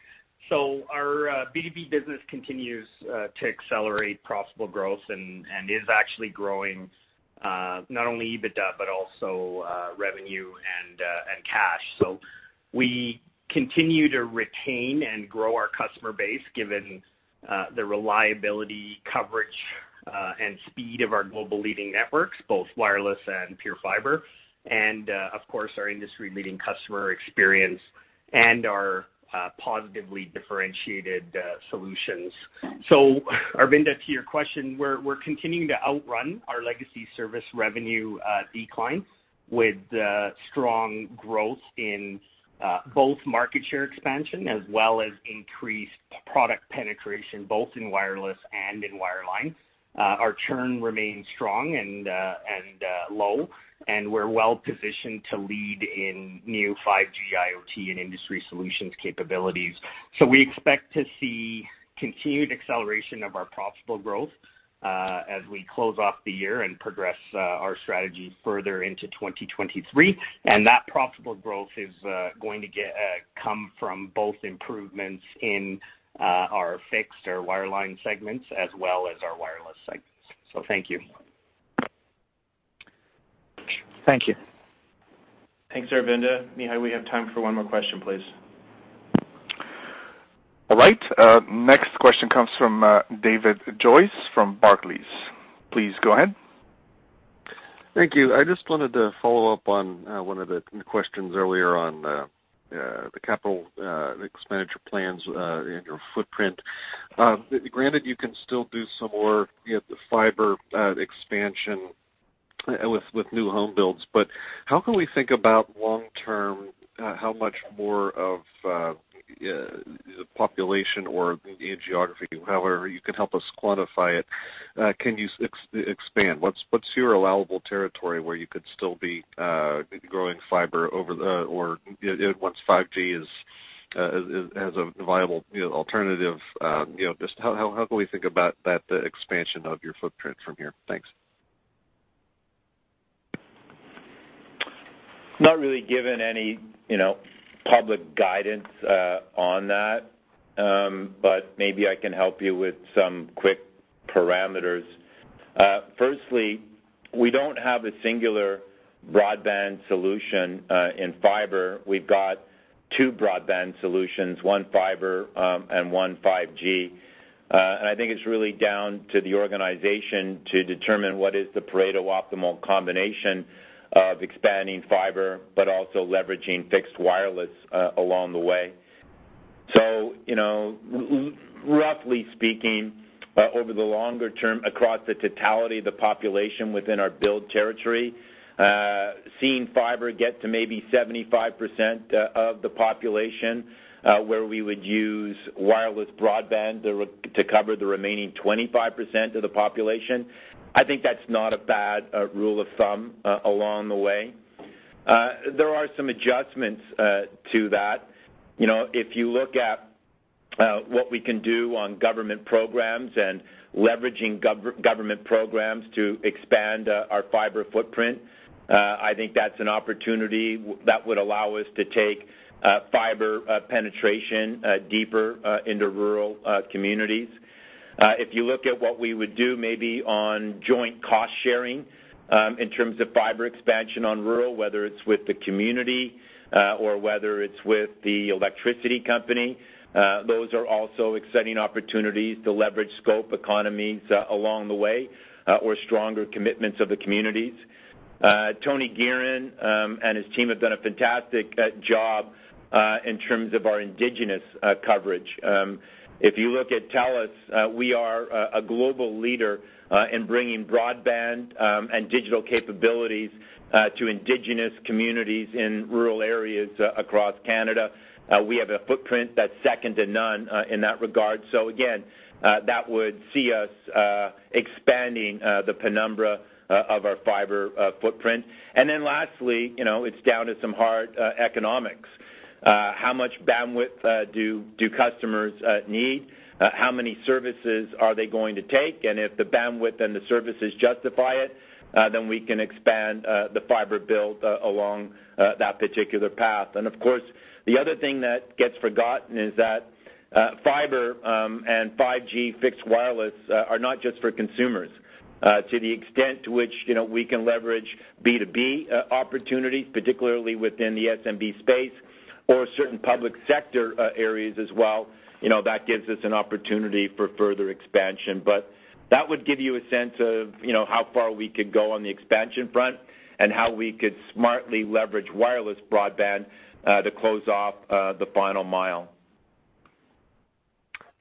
Our B2B business continues to accelerate profitable growth and is actually growing not only EBITDA, but also revenue and cash. We continue to retain and grow our customer base given the reliability, coverage, and speed of our global leading networks, both wireless and PureFibre, and of course, our industry-leading customer experience and our positively differentiated solutions. Aravinda, to your question, we're continuing to outrun our legacy service revenue declines with strong growth in both market share expansion as well as increased product penetration, both in wireless and in wireline. Our churn remains strong and low, and we're well-positioned to lead in new 5G IoT and industry solutions capabilities. We expect to see continued acceleration of our profitable growth, as we close off the year and progress our strategy further into 2023. That profitable growth is going to come from both improvements in our fixed or wireline segments as well as our wireless segments. Thank you. Thank you. Thanks, Aravinda. Mihai, we have time for one more question, please. All right, next question comes from David Joyce from Barclays. Please go ahead. Thank you. I just wanted to follow up on one of the questions earlier on the capital expenditure plans and your footprint. Granted, you can still do some more, you know, fiber expansion with new home builds, but how can we think about long-term how much more of the population or geography, however you can help us quantify it, can you expand? What's your allowable territory where you could still be growing fiber over the, or, you know, once 5G is as a viable, you know, alternative. You know, just how can we think about that, the expansion of your footprint from here? Thanks. Not really given any, you know, public guidance on that. Maybe I can help you with some quick parameters. Firstly, we don't have a singular broadband solution in fiber. We've got two broadband solutions, one fiber and one 5G. I think it's really down to the organization to determine what is the Pareto optimal combination of expanding fiber but also leveraging fixed wireless along the way. You know, roughly speaking, over the longer term, across the totality of the population within our build territory, seeing fiber get to maybe 75% of the population, where we would use wireless broadband to cover the remaining 25% of the population. I think that's not a bad rule of thumb along the way. There are some adjustments to that. You know, if you look at what we can do on government programs and leveraging government programs to expand our fiber footprint, I think that's an opportunity that would allow us to take fiber penetration deeper into rural communities. If you look at what we would do maybe on joint cost sharing in terms of fiber expansion on rural, whether it's with the community or whether it's with the electricity company, those are also exciting opportunities to leverage scope economies along the way or stronger commitments of the communities. Tony Geheran and his team have done a fantastic job in terms of our indigenous coverage. If you look at TELUS, we are a global leader in bringing broadband and digital capabilities to indigenous communities in rural areas across Canada. We have a footprint that's second to none in that regard. That would see us expanding the penumbra of our fiber footprint. Then lastly, you know, it's down to some hard economics. How much bandwidth do customers need? How many services are they going to take? And if the bandwidth and the services justify it, then we can expand the fiber build along that particular path. Of course, the other thing that gets forgotten is that fiber and 5G fixed wireless are not just for consumers. To the extent to which, you know, we can leverage B2B opportunities, particularly within the SMB space or certain public sector areas as well, you know, that gives us an opportunity for further expansion. That would give you a sense of, you know, how far we could go on the expansion front and how we could smartly leverage wireless broadband to close off the final mile.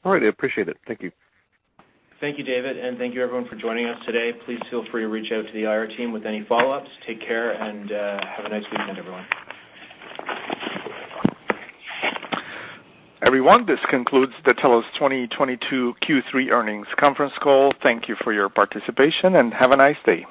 All right. I appreciate it. Thank you. Thank you, David. Thank you everyone for joining us today. Please feel free to reach out to the IR team with any follow-ups. Take care, and have a nice weekend, everyone. Everyone, this concludes the TELUS 2022 third quarter earnings conference call. Thank you for your participation and have a nice day.